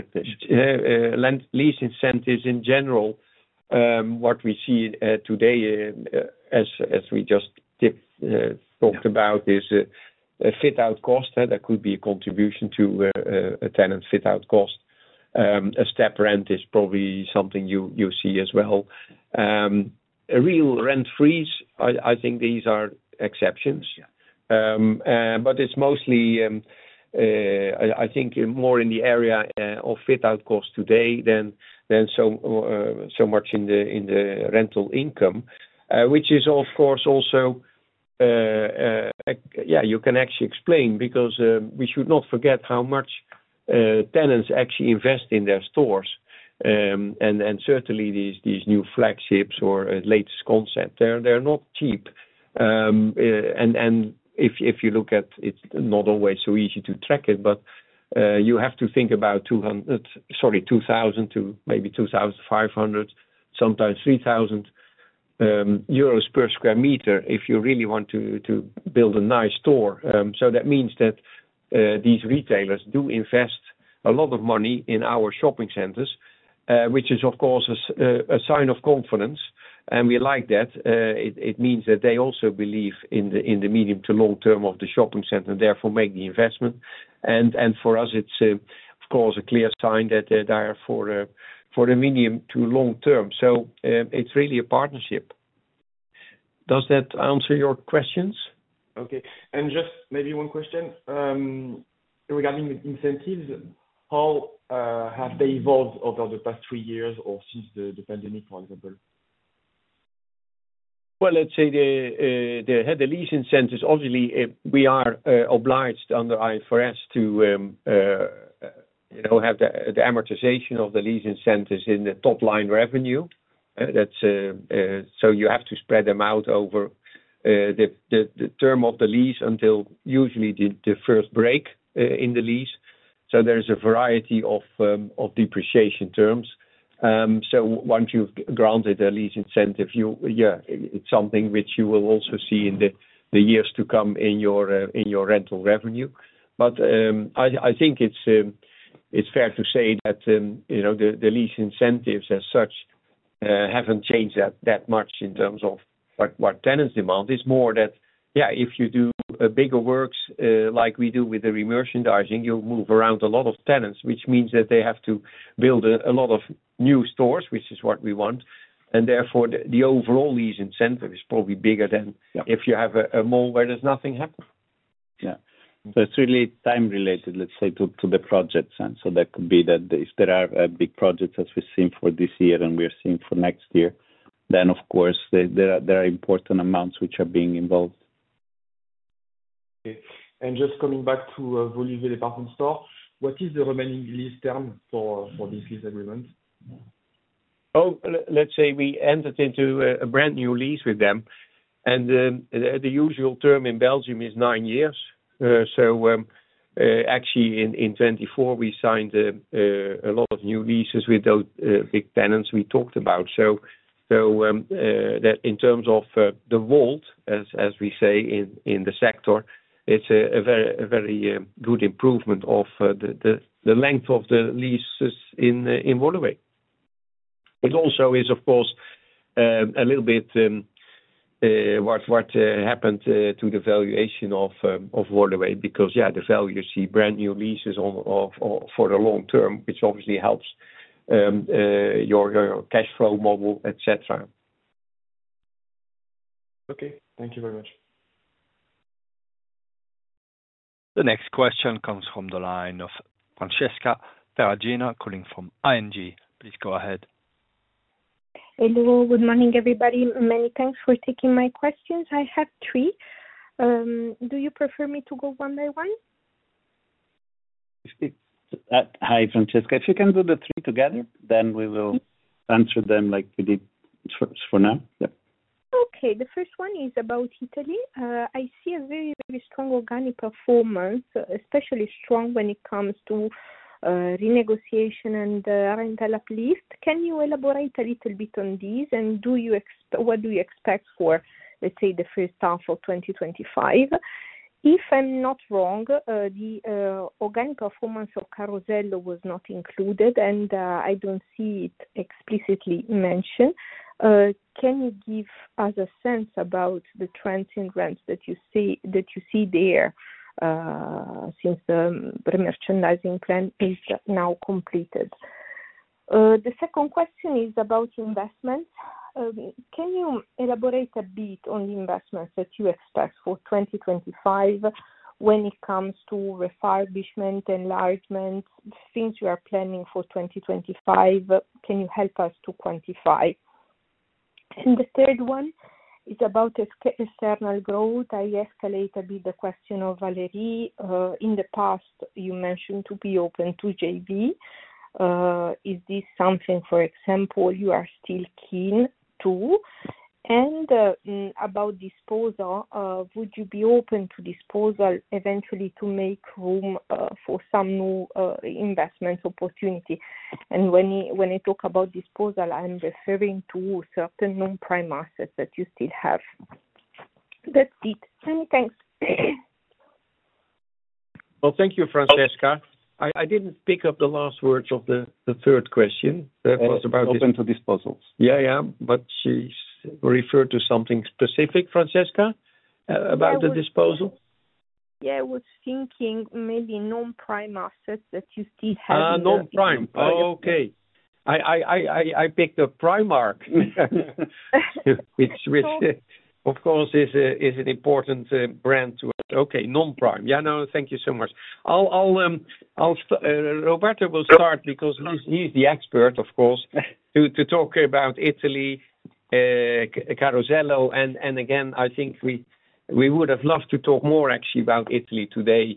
lease incentives in general. What we see today, as we just talked about, is a fit-out cost. That could be a contribution to a tenant's fit-out cost. A step rent is probably something you see as well. Real rent-frees, I think these are exceptions. It is mostly, I think, more in the area of fit-out cost today than so much in the rental income, which is, of course, also, yeah, you can actually explain because we should not forget how much tenants actually invest in their stores. Certainly, these new flagships or latest concepts, they are not cheap. If you look at it, it is not always so easy to track it, but you have to think about 2,000 to maybe 2,500, sometimes 3,000 euros per sqm if you really want to build a nice store. That means that these retailers do invest a lot of money in our shopping centers, which is, of course, a sign of confidence. We like that. It means that they also believe in the medium to long term of the shopping center and therefore make the investment. For us, it's, of course, a clear sign that they are for the medium to long term. It's really a partnership. Does that answer your questions? Okay. Just maybe one question regarding the incentives. How have they evolved over the past three years or since the pandemic, for example? Let's say the lease incentives, obviously, we are obliged under IFRS to have the amortization of the lease incentives in the top line revenue. You have to spread them out over the term of the lease until usually the first break in the lease. There is a variety of depreciation terms. Once you've granted a lease incentive, yeah, it's something which you will also see in the years to come in your rental revenue. I think it's fair to say that the lease incentives as such haven't changed that much in terms of what tenants demand. It's more that, yeah, if you do bigger works like we do with the re-merchandising, you'll move around a lot of tenants, which means that they have to build a lot of new stores, which is what we want. Therefore, the overall lease incentive is probably bigger than if you have a mall where there's nothing happening. Yeah. It's really time-related, let's say, to the projects. That could be that if there are big projects, as we have seen for this year and we are seeing for next year, of course, there are important amounts which are being involved. Okay. Just coming back to Woluwe Shopping, what is the remaining lease term for this lease agreement? Let's say we entered into a brand new lease with them. The usual term in Belgium is nine years. Actually, in 2024, we signed a lot of new leases with those big tenants we talked about. In terms of the vault, as we say in the sector, it is a very good improvement of the length of the leases in Woluwe Shopping. It also is, of course, a little bit what happened to the valuation of Woluwe for the Parcours Store because, yeah, the value you see brand new leases for the long term, which obviously helps your cash flow model, etc. Okay. Thank you very much. The next question comes from the line of Francesca Ferragina calling from ING. Please go ahead. Hello. Good morning, everybody. Many thanks for taking my questions. I have three. Do you prefer me to go one by one? Hi, Francesca. If you can do the three together, then we will answer them like we did for now. Yeah. Okay. The first one is about Italy. I see a very, very strong organic performance, especially strong when it comes to renegotiation and rental uplift. Can you elaborate a little bit on these? And what do you expect for, let's say, the first half of 2025? If I'm not wrong, the organic performance of Carosello was not included, and I don't see it explicitly mentioned. Can you give us a sense about the trends in rents that you see there since the re-merchandising plan is now completed? The second question is about investments. Can you elaborate a bit on the investments that you expect for 2025 when it comes to refurbishment, enlargement, things you are planning for 2025? Can you help us to quantify? The third one is about external growth. I escalate a bit the question of Valerie. In the past, you mentioned to be open to JV. Is this something, for example, you are still keen to? About disposal, would you be open to disposal eventually to make room for some new investment opportunity? When I talk about disposal, I'm referring to certain non-prime assets that you still have. That's it. Many thanks. Thank you, Francesca. I did not pick up the last words of the third question. That was about open to disposals. Yeah, yeah. She referred to something specific, Francesca, about the disposal. I was thinking maybe non-prime assets that you still have in. Non-prime. Oh, okay. I picked up Primark, which, of course, is an important brand to us. Okay. Non-prime. Thank you so much. Roberto will start because he is the expert, of course, to talk about Italy, Carosello. Again, I think we would have loved to talk more, actually, about Italy today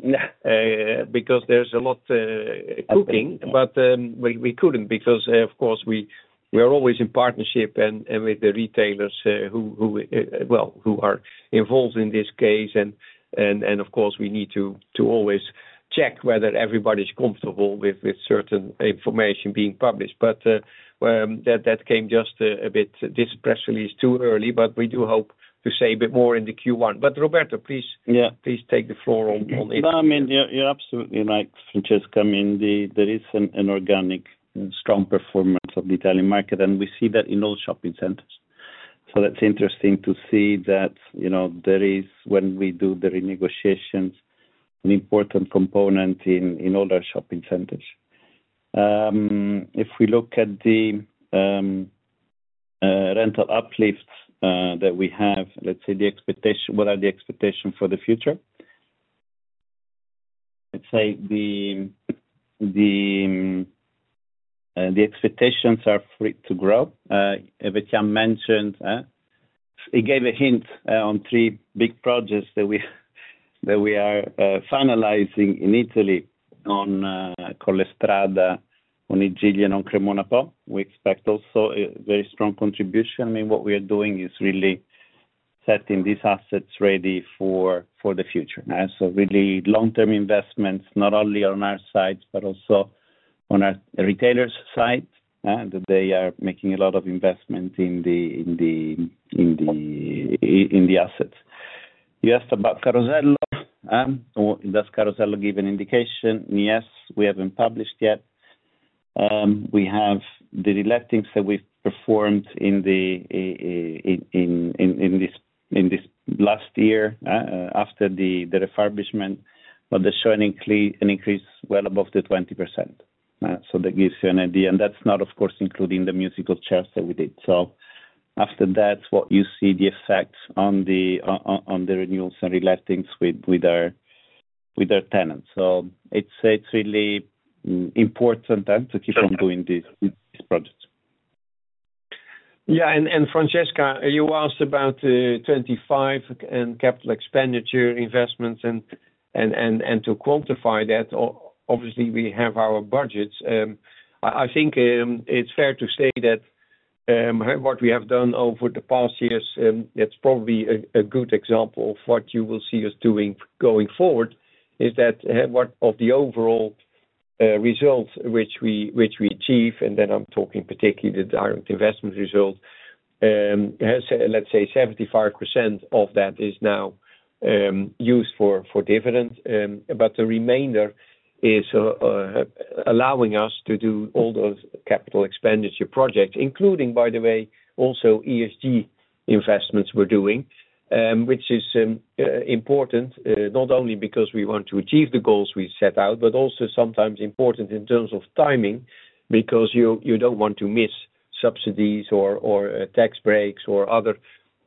because there is a lot cooking. We could not because, of course, we are always in partnership with the retailers who are involved in this case. Of course, we need to always check whether everybody is comfortable with certain information being published. That came just a bit disgracefully too early, but we do hope to say a bit more in the Q1. Roberto, please take the floor on it. No, I mean, you're absolutely right, Francesca. I mean, there is an organic strong performance of the Italian market, and we see that in all shopping centers. That's interesting to see that there is, when we do the renegotiations, an important component in all our shopping centers. If we look at the rental uplifts that we have, let's say, what are the expectations for the future? Let's say the expectations are free to grow. Evert Jan van Garderen mentioned it, gave a hint on three big projects that we are finalizing in Italy on Collestrada, on I Gigli, and on CremonaPo. We expect also a very strong contribution. I mean, what we are doing is really setting these assets ready for the future. Really long-term investments, not only on our side, but also on our retailers' side, that they are making a lot of investment in the assets. You asked about Carosello. Does Carosello give an indication? Yes. We haven't published yet. We have the relating that we've performed in this last year after the refurbishment, but the showing increase well above the 20%. That gives you an idea. That's not, of course, including the musical chairs that we did. After that, what you see are the effects on the renewals and relating with our tenants. It's really important to keep on doing these projects. Yeah. Francesca, you asked about 2025 and capital expenditure investments. To quantify that, obviously, we have our budgets. I think it's fair to say that what we have done over the past years, that's probably a good example of what you will see us doing going forward, is that of the overall result which we achieve, and then I'm talking particularly the direct investment result, let's say 75% of that is now used for dividend. The remainder is allowing us to do all those capital expenditure projects, including, by the way, also ESG investments we're doing, which is important not only because we want to achieve the goals we set out, but also sometimes important in terms of timing because you don't want to miss subsidies or tax breaks or other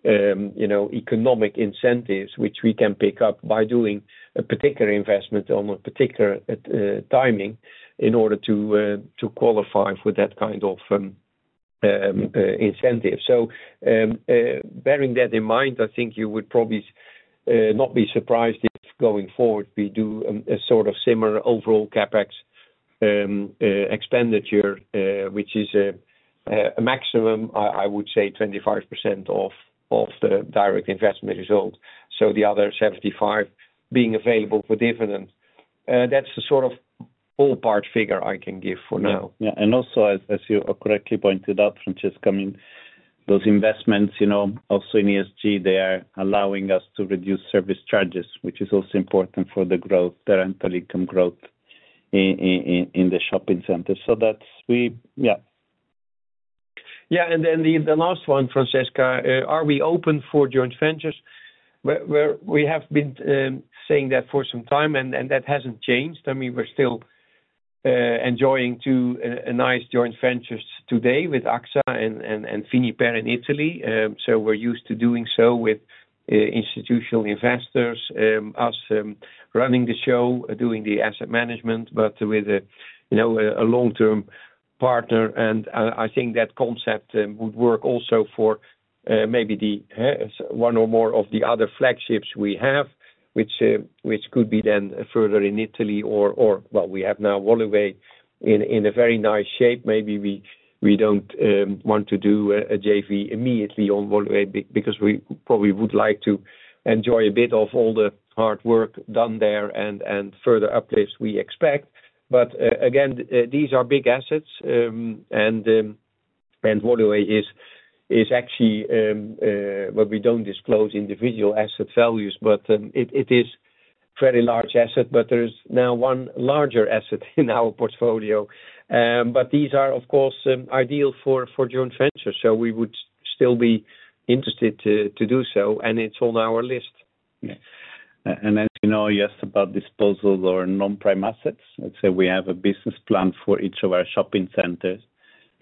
economic incentives which we can pick up by doing a particular investment on a particular timing in order to qualify for that kind of incentive. Bearing that in mind, I think you would probably not be surprised if going forward we do a sort of similar overall CapEx expenditure, which is a maximum, I would say, 25% of the direct investment result. The other 75% being available for dividends. That is the sort of ballpark figure I can give for now. Yeah. Also, as you correctly pointed out, Francesca, I mean, those investments also in ESG, they are allowing us to reduce service charges, which is also important for the growth, the rental income growth in the shopping centers. That is we, yeah. Yeah. The last one, Francesca, are we open for joint ventures? We have been saying that for some time, and that has not changed. I mean, we are still enjoying two nice joint ventures today with AXA and FINIPER in Italy. We're used to doing so with institutional investors, us running the show, doing the asset management, but with a long-term partner. I think that concept would work also for maybe one or more of the other flagships we have, which could be then further in Italy or, we have now Woluwe in a very nice shape. Maybe we don't want to do a JV immediately on Woluwe because we probably would like to enjoy a bit of all the hard work done there and further uplifts we expect. Again, these are big assets. Woluwe is actually, we don't disclose individual asset values, but it is a fairly large asset. There is now one larger asset in our portfolio. These are, of course, ideal for joint ventures. We would still be interested to do so, and it's on our list. Yeah. As you know, you asked about disposal or non-prime assets. Let's say we have a business plan for each of our shopping centers,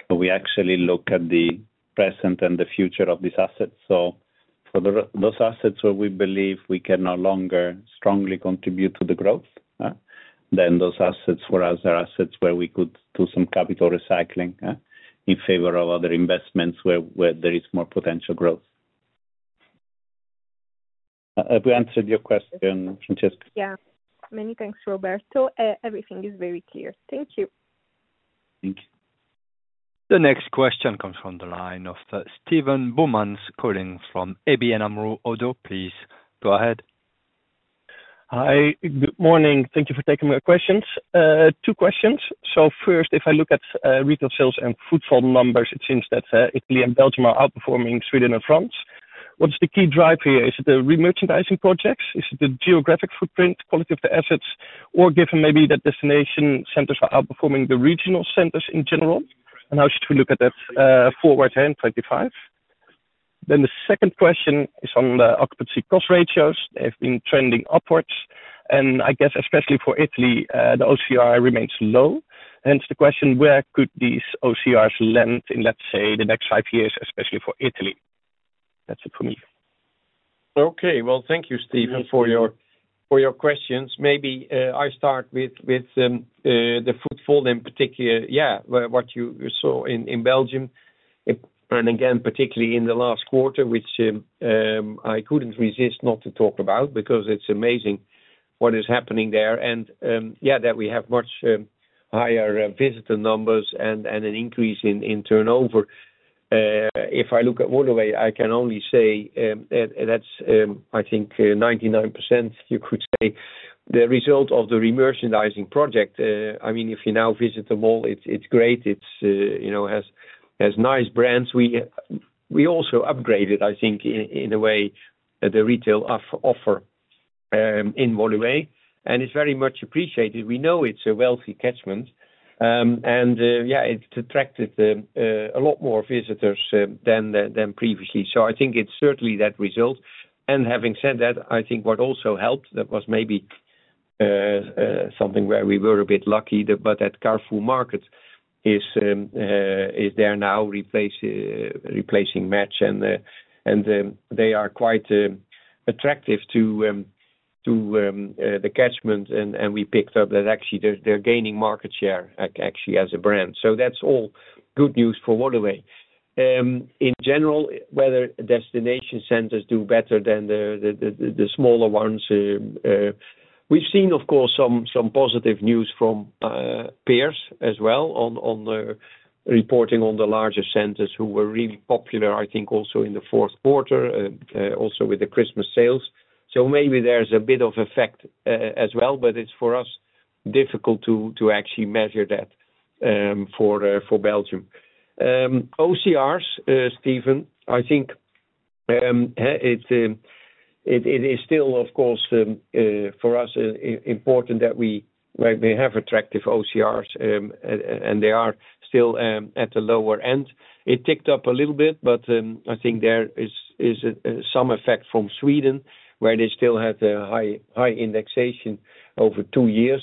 but we actually look at the present and the future of these assets. For those assets where we believe we can no longer strongly contribute to the growth, then those assets for us are assets where we could do some capital recycling in favor of other investments where there is more potential growth. Have we answered your question, Francesca? Yeah. Many thanks, Roberto. Everything is very clear. Thank you. Thank you. The next question comes from the line of Steven Boumans calling from ABN AMRO - ODDO. Please go ahead. Hi. Good morning. Thank you for taking my questions. Two questions. First, if I look at retail sales and food sale numbers, it seems that Italy and Belgium are outperforming Sweden and France. What's the key drive here? Is it the re-merchandising projects? Is it the geographic footprint, quality of the assets, or given maybe that destination centers are outperforming the regional centers in general? How should we look at that forward and 2025? The second question is on the occupancy cost ratios. They have been trending upwards. I guess, especially for Italy, the OCR remains low. Hence the question, where could these OCRs land in, let's say, the next five years, especially for Italy? That's it for me. Okay. Thank you, Steven, for your questions. Maybe I start with the food fall in particular, what you saw in Belgium. Particularly in the last quarter, which I could not resist not to talk about because it is amazing what is happening there. We have much higher visitor numbers and an increase in turnover. If I look at Woluwe, I can only say that is, I think, 99% the result of the re-merchandising project. I mean, if you now visit the mall, it is great. It has nice brands. We also upgraded, I think, in a way, the retail offer in Woluwe. It is very much appreciated. We know it is a wealthy catchment. It has attracted a lot more visitors than previously. I think it is certainly that result. Having said that, I think what also helped, that was maybe something where we were a bit lucky, but that Carrefour Market is there now replacing Match. They are quite attractive to the catchment. We picked up that actually they're gaining market share actually as a brand. That's all good news for Woluwe. In general, whether destination centers do better than the smaller ones, we've seen, of course, some positive news from peers as well on reporting on the larger centers who were really popular, I think, also in the fourth quarter, also with the Christmas sales. Maybe there's a bit of effect as well, but it's for us difficult to actually measure that for Belgium. OCRs, Steven, I think it is still, of course, for us important that we have attractive OCRs, and they are still at the lower end. It ticked up a little bit, but I think there is some effect from Sweden where they still had a high indexation over two years,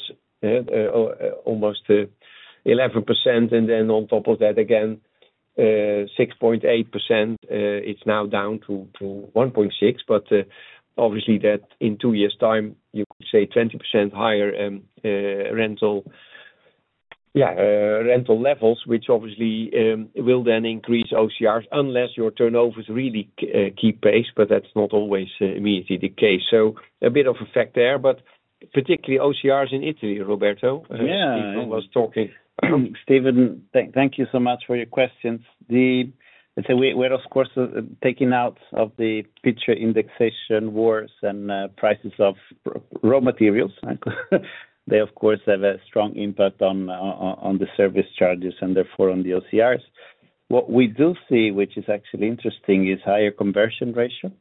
almost 11%. Then on top of that, again, 6.8%. It is now down to 1.6%. Obviously, in two years' time, you could say 20% higher rental levels, which obviously will then increase OCRs unless your turnover really keeps pace, but that is not always immediately the case. A bit of effect there, particularly OCRs in Italy, Roberto. Yeah. Steven was talking. Steven, thank you so much for your questions. Let's say we are, of course, taking out of the picture indexation wars and prices of raw materials. They, of course, have a strong impact on the service charges and therefore on the OCRs. What we do see, which is actually interesting, is higher conversion ratio.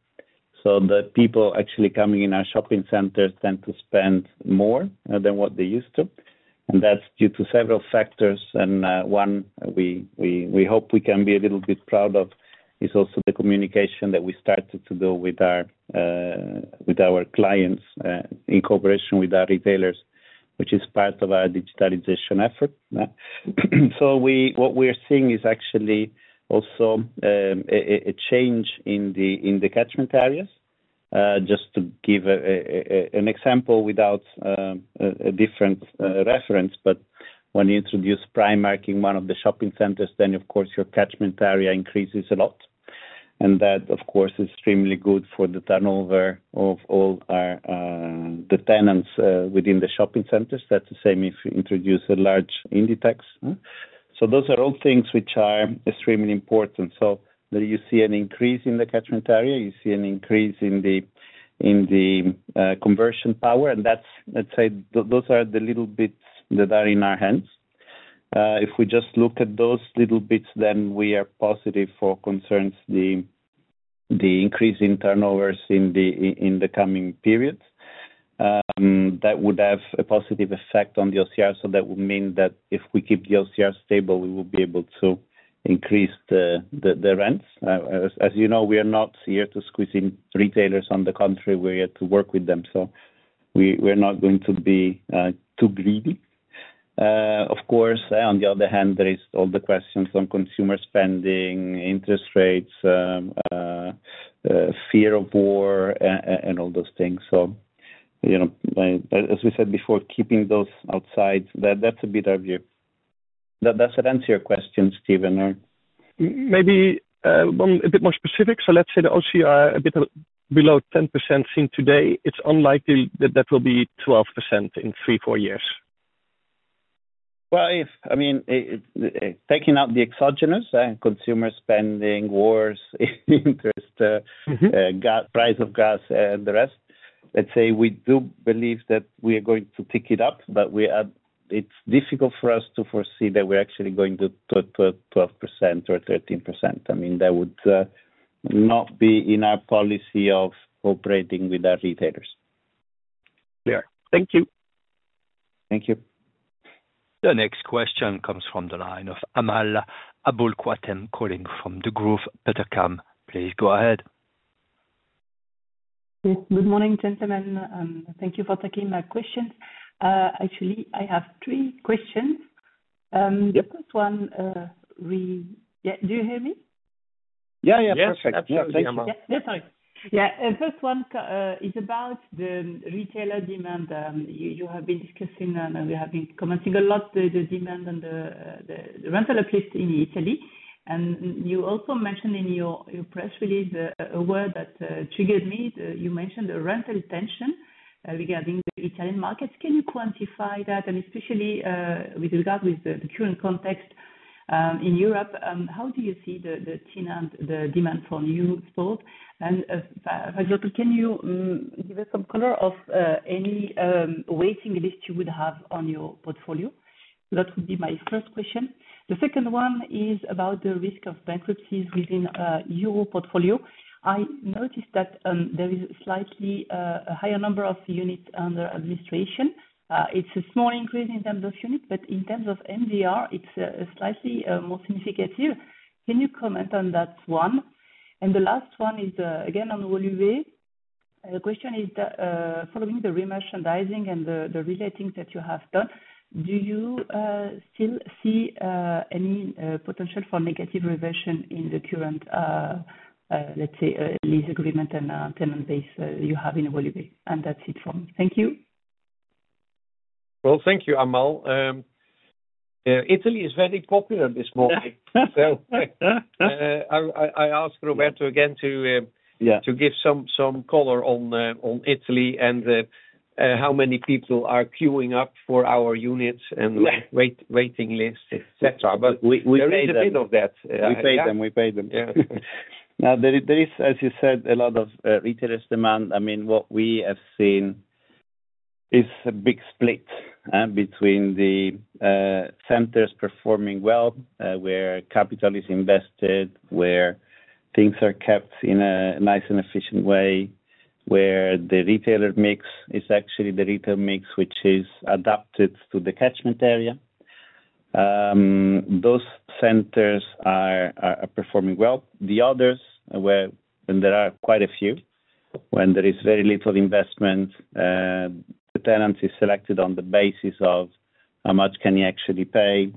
The people actually coming in our shopping centers tend to spend more than what they used to. That is due to several factors. One we hope we can be a little bit proud of is also the communication that we started to do with our clients in cooperation with our retailers, which is part of our digitalization effort. What we are seeing is actually also a change in the catchment areas. Just to give an example without a different reference, but when you introduce Primark in one of the shopping centers, of course, your catchment area increases a lot. That, of course, is extremely good for the turnover of all the tenants within the shopping centers. That is the same if you introduce a large Inditex. Those are all things which are extremely important. You see an increase in the catchment area. You see an increase in the conversion power. Let's say those are the little bits that are in our hands. If we just look at those little bits, then we are positive for concerns the increase in turnovers in the coming periods. That would have a positive effect on the OCR. That would mean that if we keep the OCR stable, we will be able to increase the rents. As you know, we are not here to squeeze in retailers on the country. We are here to work with them. We are not going to be too greedy. Of course, on the other hand, there are all the questions on consumer spending, interest rates, fear of war, and all those things. As we said before, keeping those outside, that is a bit of you. Does that answer your question, Steven? Maybe a bit more specific. Let's say the OCR a bit below 10% seen today, it is unlikely that that will be 12% in three, four years. I mean, taking out the exogenous, consumer spending, wars, interest, price of gas, and the rest, let's say we do believe that we are going to tick it up, but it's difficult for us to foresee that we're actually going to 12% or 13%. I mean, that would not be in our policy of operating with our retailers. Clear. Thank you. Thank you. The next question comes from the line of Amal Aboulkhouatem calling from Degroof Petercam. Please go ahead. Good morning, gentlemen. Thank you for taking my questions. Actually, I have three questions. The first one, do you hear me? Yeah, yeah. Perfect, Amal. Yeah. Sorry. Yeah. The first one is about the retailer demand. You have been discussing, and we have been commenting a lot, the demand and the rental uplift in Italy. You also mentioned in your press release a word that triggered me. You mentioned the rental tension regarding the Italian markets. Can you quantify that? Especially with regard to the current context in Europe, how do you see the demand for new stores? For example, can you give us some color of any waiting list you would have on your portfolio? That would be my first question. The second one is about the risk of bankruptcies within your portfolio. I noticed that there is a slightly higher number of units under administration. It's a small increase in terms of units, but in terms of MDR, it's slightly more significant. Can you comment on that one? The last one is, again, on Woluwe. The question is, following the re-merchandising and the relating that you have done, do you still see any potential for negative reversion in the current, let's say, lease agreement and tenant base you have in Woluwe? That is it from me. Thank you. Thank you, Amal. Italy is very popular this morning. I asked Roberto again to give some color on Italy and how many people are queuing up for our units and waiting lists, et cetera. We paid a bit of that. We paid them. We paid them. Now, there is, as you said, a lot of retailers' demand. I mean, what we have seen is a big split between the centers performing well, where capital is invested, where things are kept in a nice and efficient way, where the retailer mix is actually the retail mix which is adapted to the catchment area. Those centers are performing well. The others, and there are quite a few, when there is very little investment, the tenancy is selected on the basis of how much can you actually pay.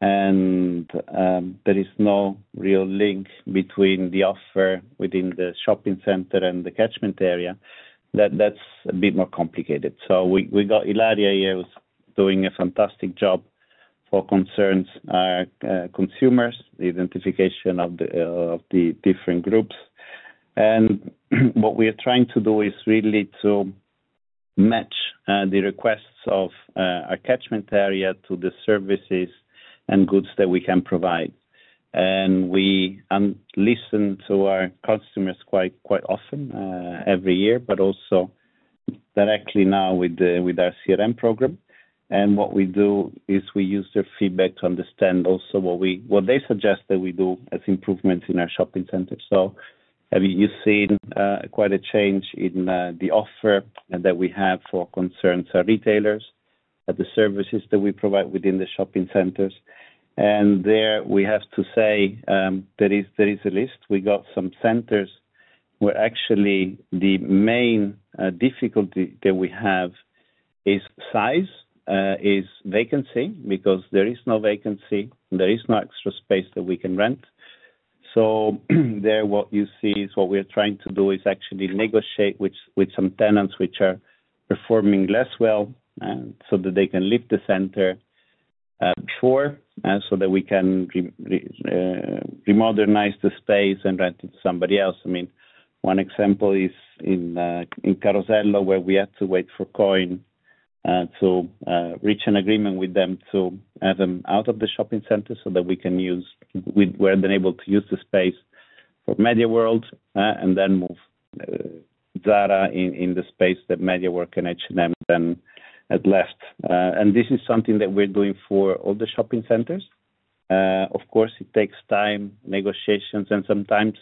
There is no real link between the offer within the shopping center and the catchment area. That is a bit more complicated. We got Ilaria here who is doing a fantastic job for concerns our consumers, the identification of the different groups. What we are trying to do is really to match the requests of our catchment area to the services and goods that we can provide. We listen to our customers quite often every year, but also directly now with our CRM program. What we do is we use their feedback to understand also what they suggest that we do as improvements in our shopping centers. You have seen quite a change in the offer that we have for concerns our retailers, the services that we provide within the shopping centers. There, we have to say there is a list. We got some centers where actually the main difficulty that we have is size, is vacancy, because there is no vacancy. There is no extra space that we can rent. There, what you see is what we are trying to do is actually negotiate with some tenants which are performing less well so that they can leave the center before so that we can remodernize the space and rent it to somebody else. I mean, one example is in Carosello where we had to wait for Coin to reach an agreement with them to have them out of the shopping center so that we can use where they're able to use the space for MediaWorld and then move Zara in the space that MediaWorld and H&M then had left. This is something that we're doing for all the shopping centers. Of course, it takes time, negotiations, and sometimes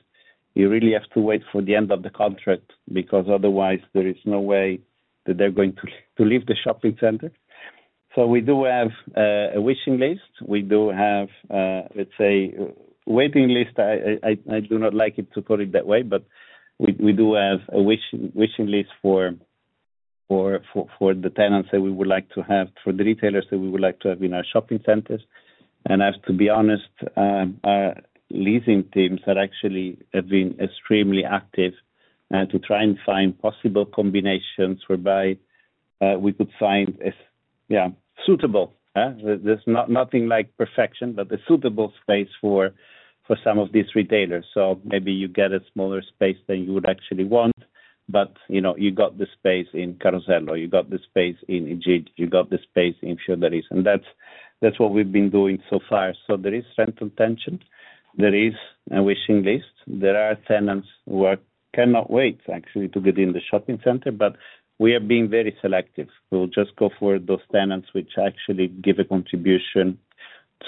you really have to wait for the end of the contract because otherwise there is no way that they're going to leave the shopping center. We do have a wishing list. We do have, let's say, a waiting list. I do not like it to put it that way, but we do have a wishing list for the tenants that we would like to have, for the retailers that we would like to have in our shopping centers. I have to be honest, our leasing teams have actually been extremely active to try and find possible combinations whereby we could find a suitable. There is nothing like perfection, but a suitable space for some of these retailers. You may get a smaller space than you would actually want, but you got the space in Carosello. You got the space in Egid. You got the space in Fiordaliso. That is what we have been doing so far. There is rental tension. There is a wishing list. There are tenants who cannot wait actually to get in the shopping center, but we are being very selective. We will just go for those tenants which actually give a contribution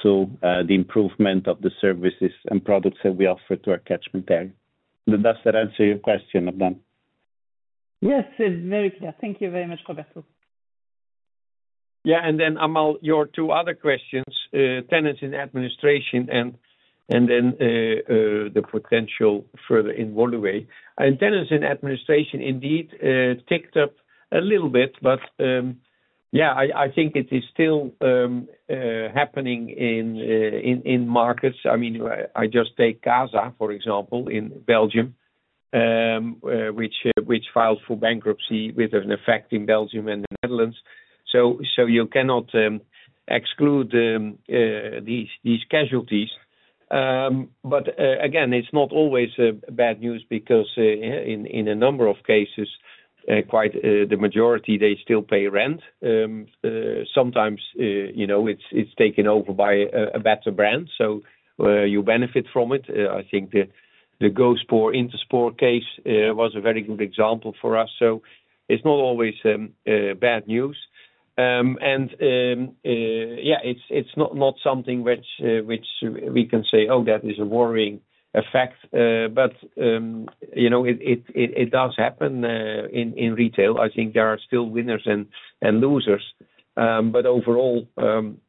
to the improvement of the services and products that we offer to our catchment area. Does that answer your question, Amal? Yes, very clear. Thank you very much, Roberto. Yeah. Amal, your two other questions, tenants in administration and then the potential further in Woluwe. Tenants in administration indeed ticked up a little bit, but I think it is still happening in markets. I mean, I just take Casa, for example, in Belgium, which filed for bankruptcy with an effect in Belgium and the Netherlands. You cannot exclude these casualties. Again, it's not always bad news because in a number of cases, quite the majority, they still pay rent. Sometimes it's taken over by a better brand. You benefit from it. I think the Go Sport Intersport case was a very good example for us. It is not always bad news. Yeah, it is not something which we can say, "Oh, that is a worrying effect." It does happen in retail. I think there are still winners and losers. Overall,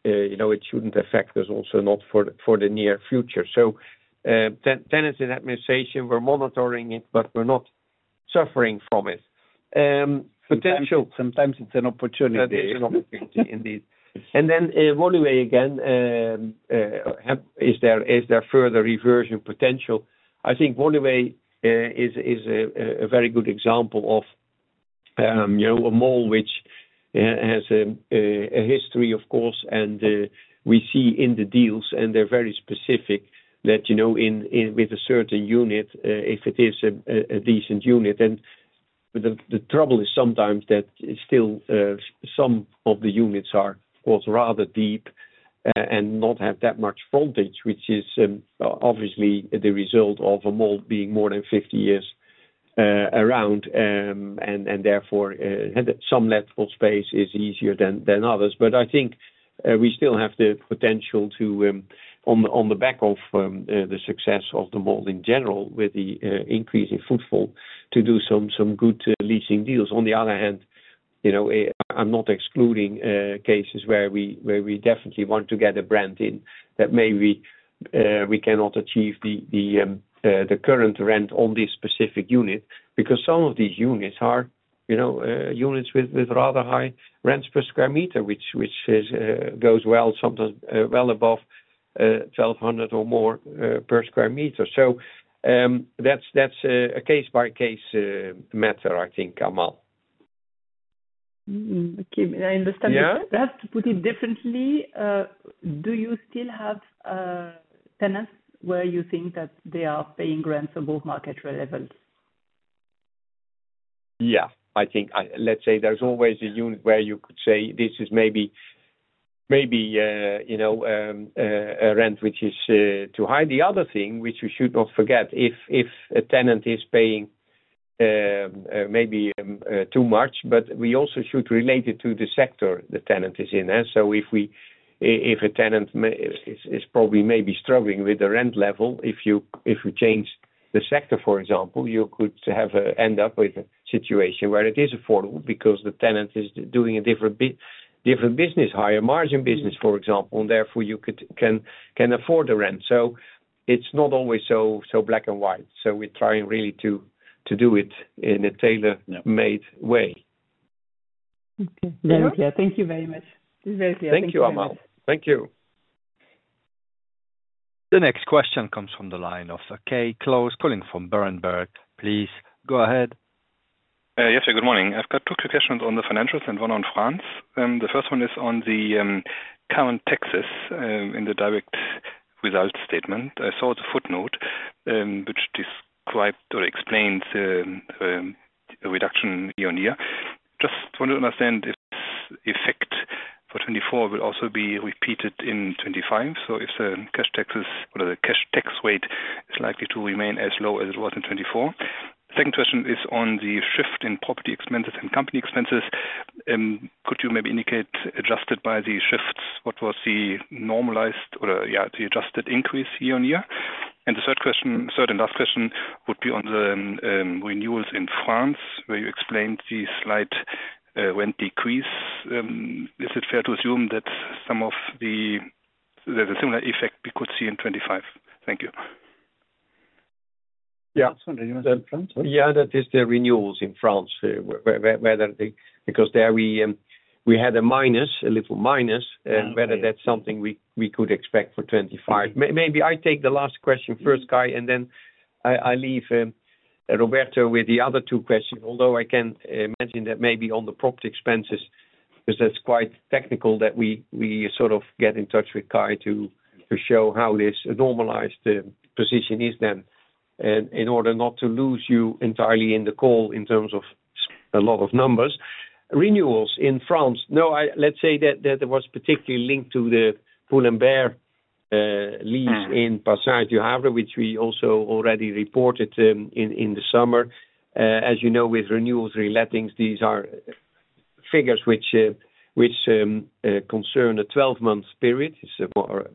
it should not affect us, also not for the near future. Tenants in administration, we are monitoring it, but we are not suffering from it. Potential. Sometimes it is an opportunity. That is an opportunity indeed. Woluwe again, is there further reversion potential? I think Woluwe is a very good example of a mall which has a history, of course, and we see in the deals, and they are very specific that with a certain unit, if it is a decent unit. The trouble is sometimes that still some of the units are rather deep and not have that much frontage, which is obviously the result of a mall being more than 50 years around. Therefore, some leftful space is easier than others. I think we still have the potential to, on the back of the success of the mall in general with the increase in footfall, do some good leasing deals. On the other hand, I'm not excluding cases where we definitely want to get a brand in that maybe we cannot achieve the current rent on this specific unit because some of these units are units with rather high rents per square meter, which goes well, sometimes well above 1,200 or more per square meter. That is a case-by-case matter, I think, Amal. I understand. Perhaps to put it differently, do you still have tenants where you think that they are paying rents above market rent levels? Yeah. I think, let's say, there's always a unit where you could say, "This is maybe a rent which is too high." The other thing which we should not forget, if a tenant is paying maybe too much, but we also should relate it to the sector the tenant is in. If a tenant is probably maybe struggling with the rent level, if you change the sector, for example, you could end up with a situation where it is affordable because the tenant is doing a different business, higher margin business, for example, and therefore you can afford the rent. It is not always so black and white. We are trying really to do it in a tailor-made way. Okay. Very clear. Thank you very much. This is very clear. Thank you, Amal. Thank you. The next question comes from the line of Kai Klose, calling from Berenberg. Please go ahead. Yes, good morning. I've got two questions on the financials and one on France. The first one is on the current taxes in the direct result statement. I saw the footnote which described or explains the reduction year-on-year. Just want to understand if this effect for 2024 will also be repeated in 2025, so if the cash taxes or the cash tax rate is likely to remain as low as it was in 2024. The second question is on the shift in property expenses and company expenses. Could you maybe indicate adjusted by the shifts, what was the normalized or, yeah, the adjusted increase year-on-year? The third and last question would be on the renewals in France where you explained the slight rent decrease. Is it fair to assume that some of the there's a similar effect we could see in 2025? Thank you. Yeah. That is one that you mentioned in France, right? Yeah, that is the renewals in France where because there we had a minus, a little minus, and whether that's something we could expect for 2025. Maybe I take the last question first, Kai, and then I leave Roberto with the other two questions, although I can imagine that maybe on the property expenses, because that's quite technical, that we sort of get in touch with Kai to show how this normalized position is then. In order not to lose you entirely in the call in terms of a lot of numbers. Renewals in France, no, let's say that it was particularly linked to the Poulinbert lease in Passage du Havre, which we also already reported in the summer. As you know, with renewals relating, these are figures which concern a 12-month period.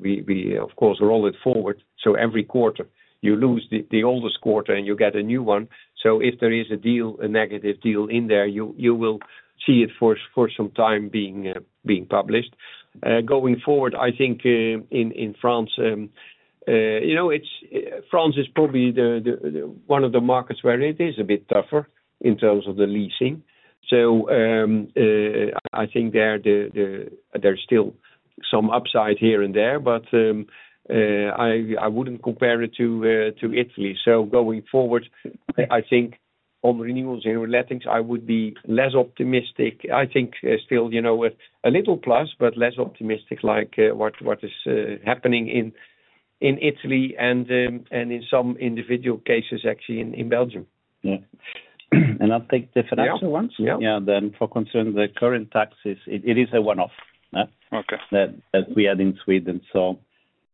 We, of course, roll it forward. Every quarter, you lose the oldest quarter and you get a new one. If there is a deal, a negative deal in there, you will see it for some time being published. Going forward, I think in France, France is probably one of the markets where it is a bit tougher in terms of the leasing. I think there's still some upside here and there, but I wouldn't compare it to Italy. Going forward, I think on renewals and relating, I would be less optimistic. I think still a little plus, but less optimistic like what is happening in Italy and in some individual cases actually in Belgium. Yeah. I'll take the financial ones. For concerns, the current taxes, it is a one-off that we had in Sweden.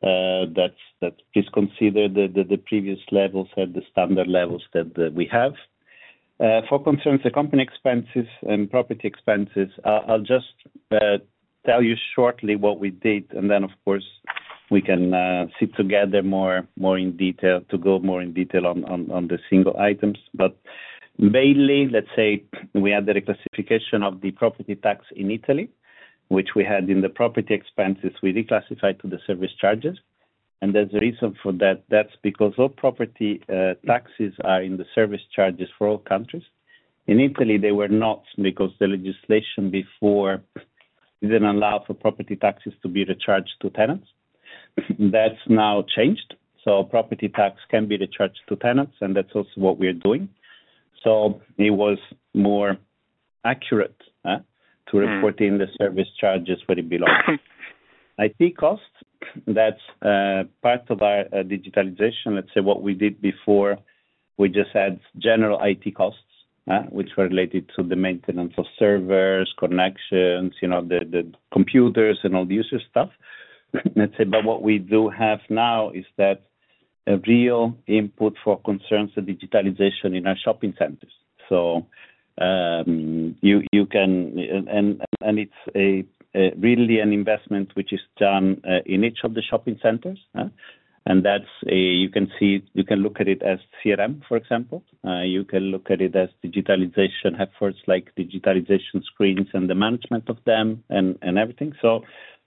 That is considered the previous levels at the standard levels that we have. For concerns, the company expenses and property expenses, I'll just tell you shortly what we did. Of course, we can sit together more in detail to go more in detail on the single items. Mainly, let's say we had the reclassification of the property tax in Italy, which we had in the property expenses, we reclassified to the service charges. There's a reason for that. That's because all property taxes are in the service charges for all countries. In Italy, they were not because the legislation before did not allow for property taxes to be recharged to tenants. That has now changed. Property tax can be recharged to tenants, and that is also what we are doing. It was more accurate to report in the service charges where it belongs. IT costs, that is part of our digitalization. What we did before, we just had general IT costs, which were related to the maintenance of servers, connections, the computers, and all the user stuff. What we do have now is that real input for concerns, the digitalization in our shopping centers. You can, and it is really an investment which is done in each of the shopping centers. You can look at it as CRM, for example. You can look at it as digitalization efforts like digitalization screens and the management of them and everything.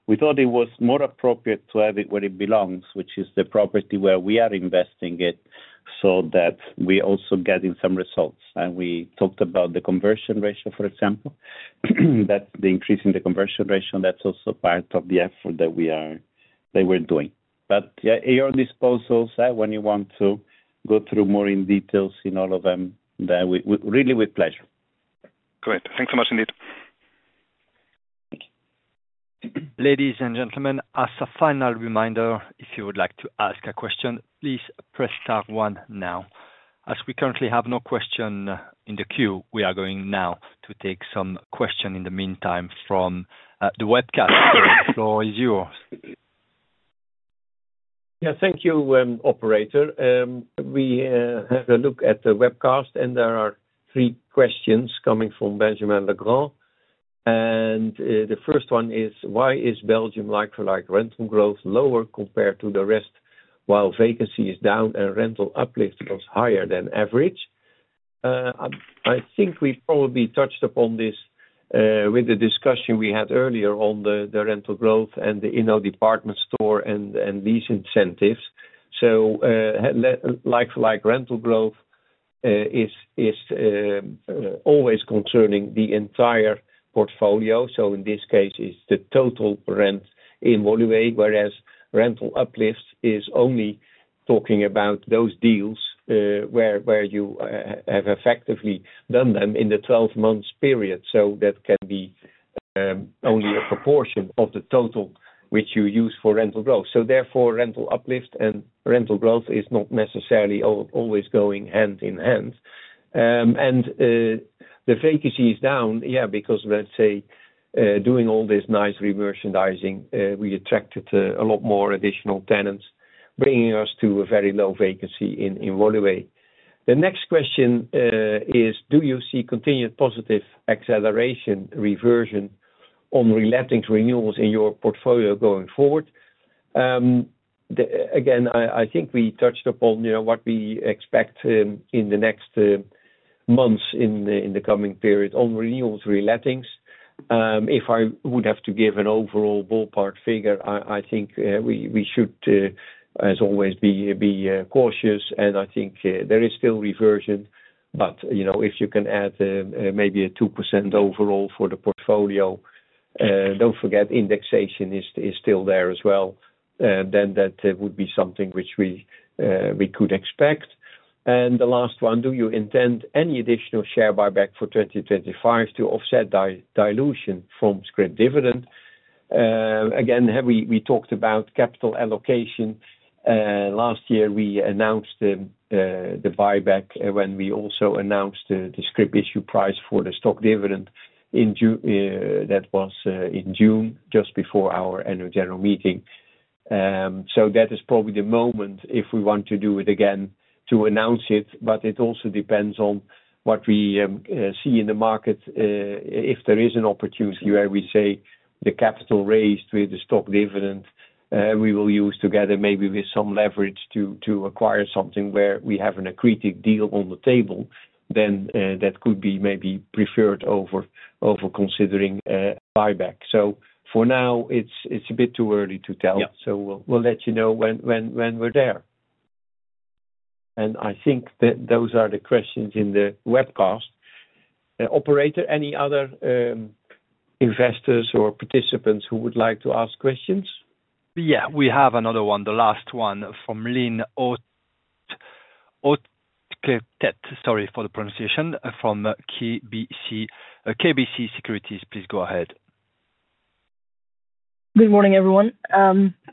We thought it was more appropriate to have it where it belongs, which is the property where we are investing it so that we also get in some results. We talked about the conversion ratio, for example. That is the increase in the conversion ratio. That is also part of the effort that we were doing. You are disposable when you want to go through more in details in all of them. Really, with pleasure. Great. Thanks so much indeed. Thank you. Ladies and gentlemen, as a final reminder, if you would like to ask a question, please press star one now. As we currently have no question in the queue, we are going now to take some questions in the meantime from the webcast. Floor is yours. Yeah. Thank you, operator. We had a look at the webcast, and there are three questions coming from Benjamin Legrand. The first one is, why is Belgium like-for-like rental growth lower compared to the rest while vacancy is down and rental uplift was higher than average? I think we probably touched upon this with the discussion we had earlier on the rental growth and the Inno department store and lease incentives. Like-for-like rental growth is always concerning the entire portfolio. In this case, it's the total rent in Woluwe Shopping, whereas rental uplift is only talking about those deals where you have effectively done them in the 12-month period. That can be only a proportion of the total which you use for rental growth. Therefore, rental uplift and rental growth is not necessarily always going hand in hand. The vacancy is down, yeah, because, let's say, doing all this nice re-merchandising, we attracted a lot more additional tenants, bringing us to a very low vacancy in Woluwe Shopping. The next question is, do you see continued positive acceleration reversion on relating to renewals in your portfolio going forward? I think we touched upon what we expect in the next months in the coming period on renewals relating. If I would have to give an overall ballpark figure, I think we should, as always, be cautious. I think there is still reversion. If you can add maybe a 2% overall for the portfolio, do not forget indexation is still there as well. That would be something which we could expect. The last one, do you intend any additional share buyback for 2025 to offset dilution from script dividend? Again, we talked about capital allocation. Last year, we announced the buyback when we also announced the script issue price for the stock dividend that was in June just before our annual general meeting. That is probably the moment if we want to do it again to announce it. It also depends on what we see in the market. If there is an opportunity where we say the capital raised with the stock dividend, we will use together maybe with some leverage to acquire something where we have an accretive deal on the table, that could be maybe preferred over considering buyback. For now, it's a bit too early to tell. We'll let you know when we're there. I think that those are the questions in the webcast. Operator, any other investors or participants who would like to ask questions? Yeah. We have another one, the last one from Lynn Hautekeete, sorry for the pronunciation, from KBC Securities. Please go ahead. Good morning, everyone.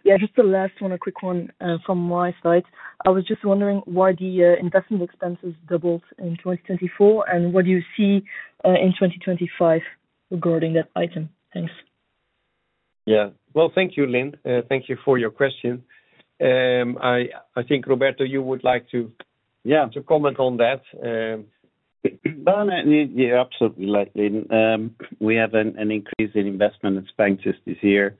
Yeah, just the last one, a quick one from my side. I was just wondering why the investment expenses doubled in 2024 and what do you see in 2025 regarding that item? Thanks. Yeah. Thank you, Lynn. Thank you for your question. I think, Roberto, you would like to comment on that. Yeah, absolutely, Lynn. We have an increase in investment expenses this year.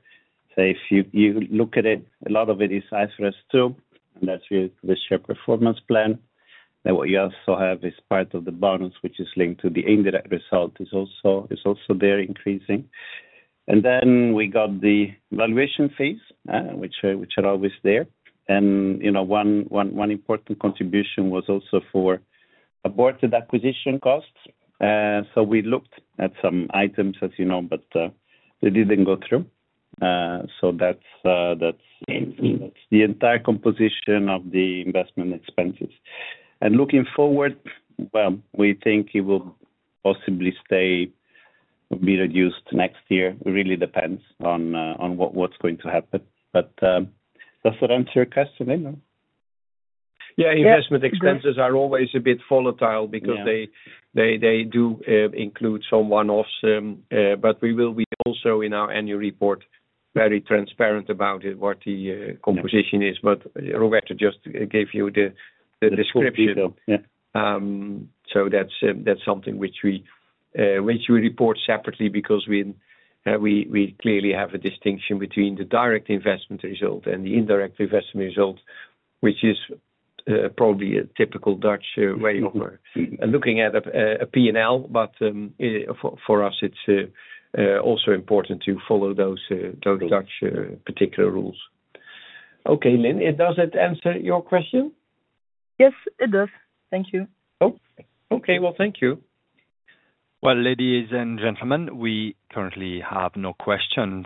If you look at it, a lot of it is IFRS 2, and that's with the share performance plan. Then what you also have is part of the bonus, which is linked to the indirect result, is also there increasing. We got the valuation fees, which are always there. One important contribution was also for aborted acquisition costs. We looked at some items, as you know, but they didn't go through. That is the entire composition of the investment expenses. Looking forward, we think it will possibly stay or be reduced next year. It really depends on what is going to happen. Does that answer your question, Lynn? Yeah. Investment expenses are always a bit volatile because they do include some one-offs. We will be also in our annual report very transparent about what the composition is. Roberto just gave you the description. That is something which we report separately because we clearly have a distinction between the direct investment result and the indirect investment result, which is probably a typical Dutch way of looking at a P&L. For us, it is also important to follow those Dutch particular rules. Okay, Lynn, does it answer your question? Yes, it does. Thank you. Okay. Thank you. Ladies and gentlemen, we currently have no questions.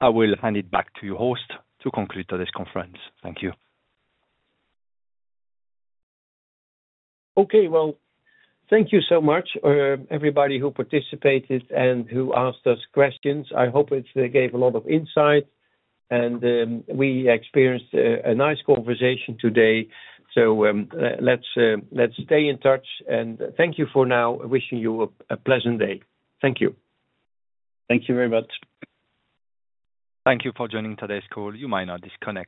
I will hand it back to your host to conclude this conference. Thank you. Thank you so much, everybody who participated and who asked us questions. I hope it gave a lot of insight, and we experienced a nice conversation today. Let's stay in touch. Thank you for now. Wishing you a pleasant day. Thank you. Thank you very much. Thank you for joining today's call. You may now disconnect.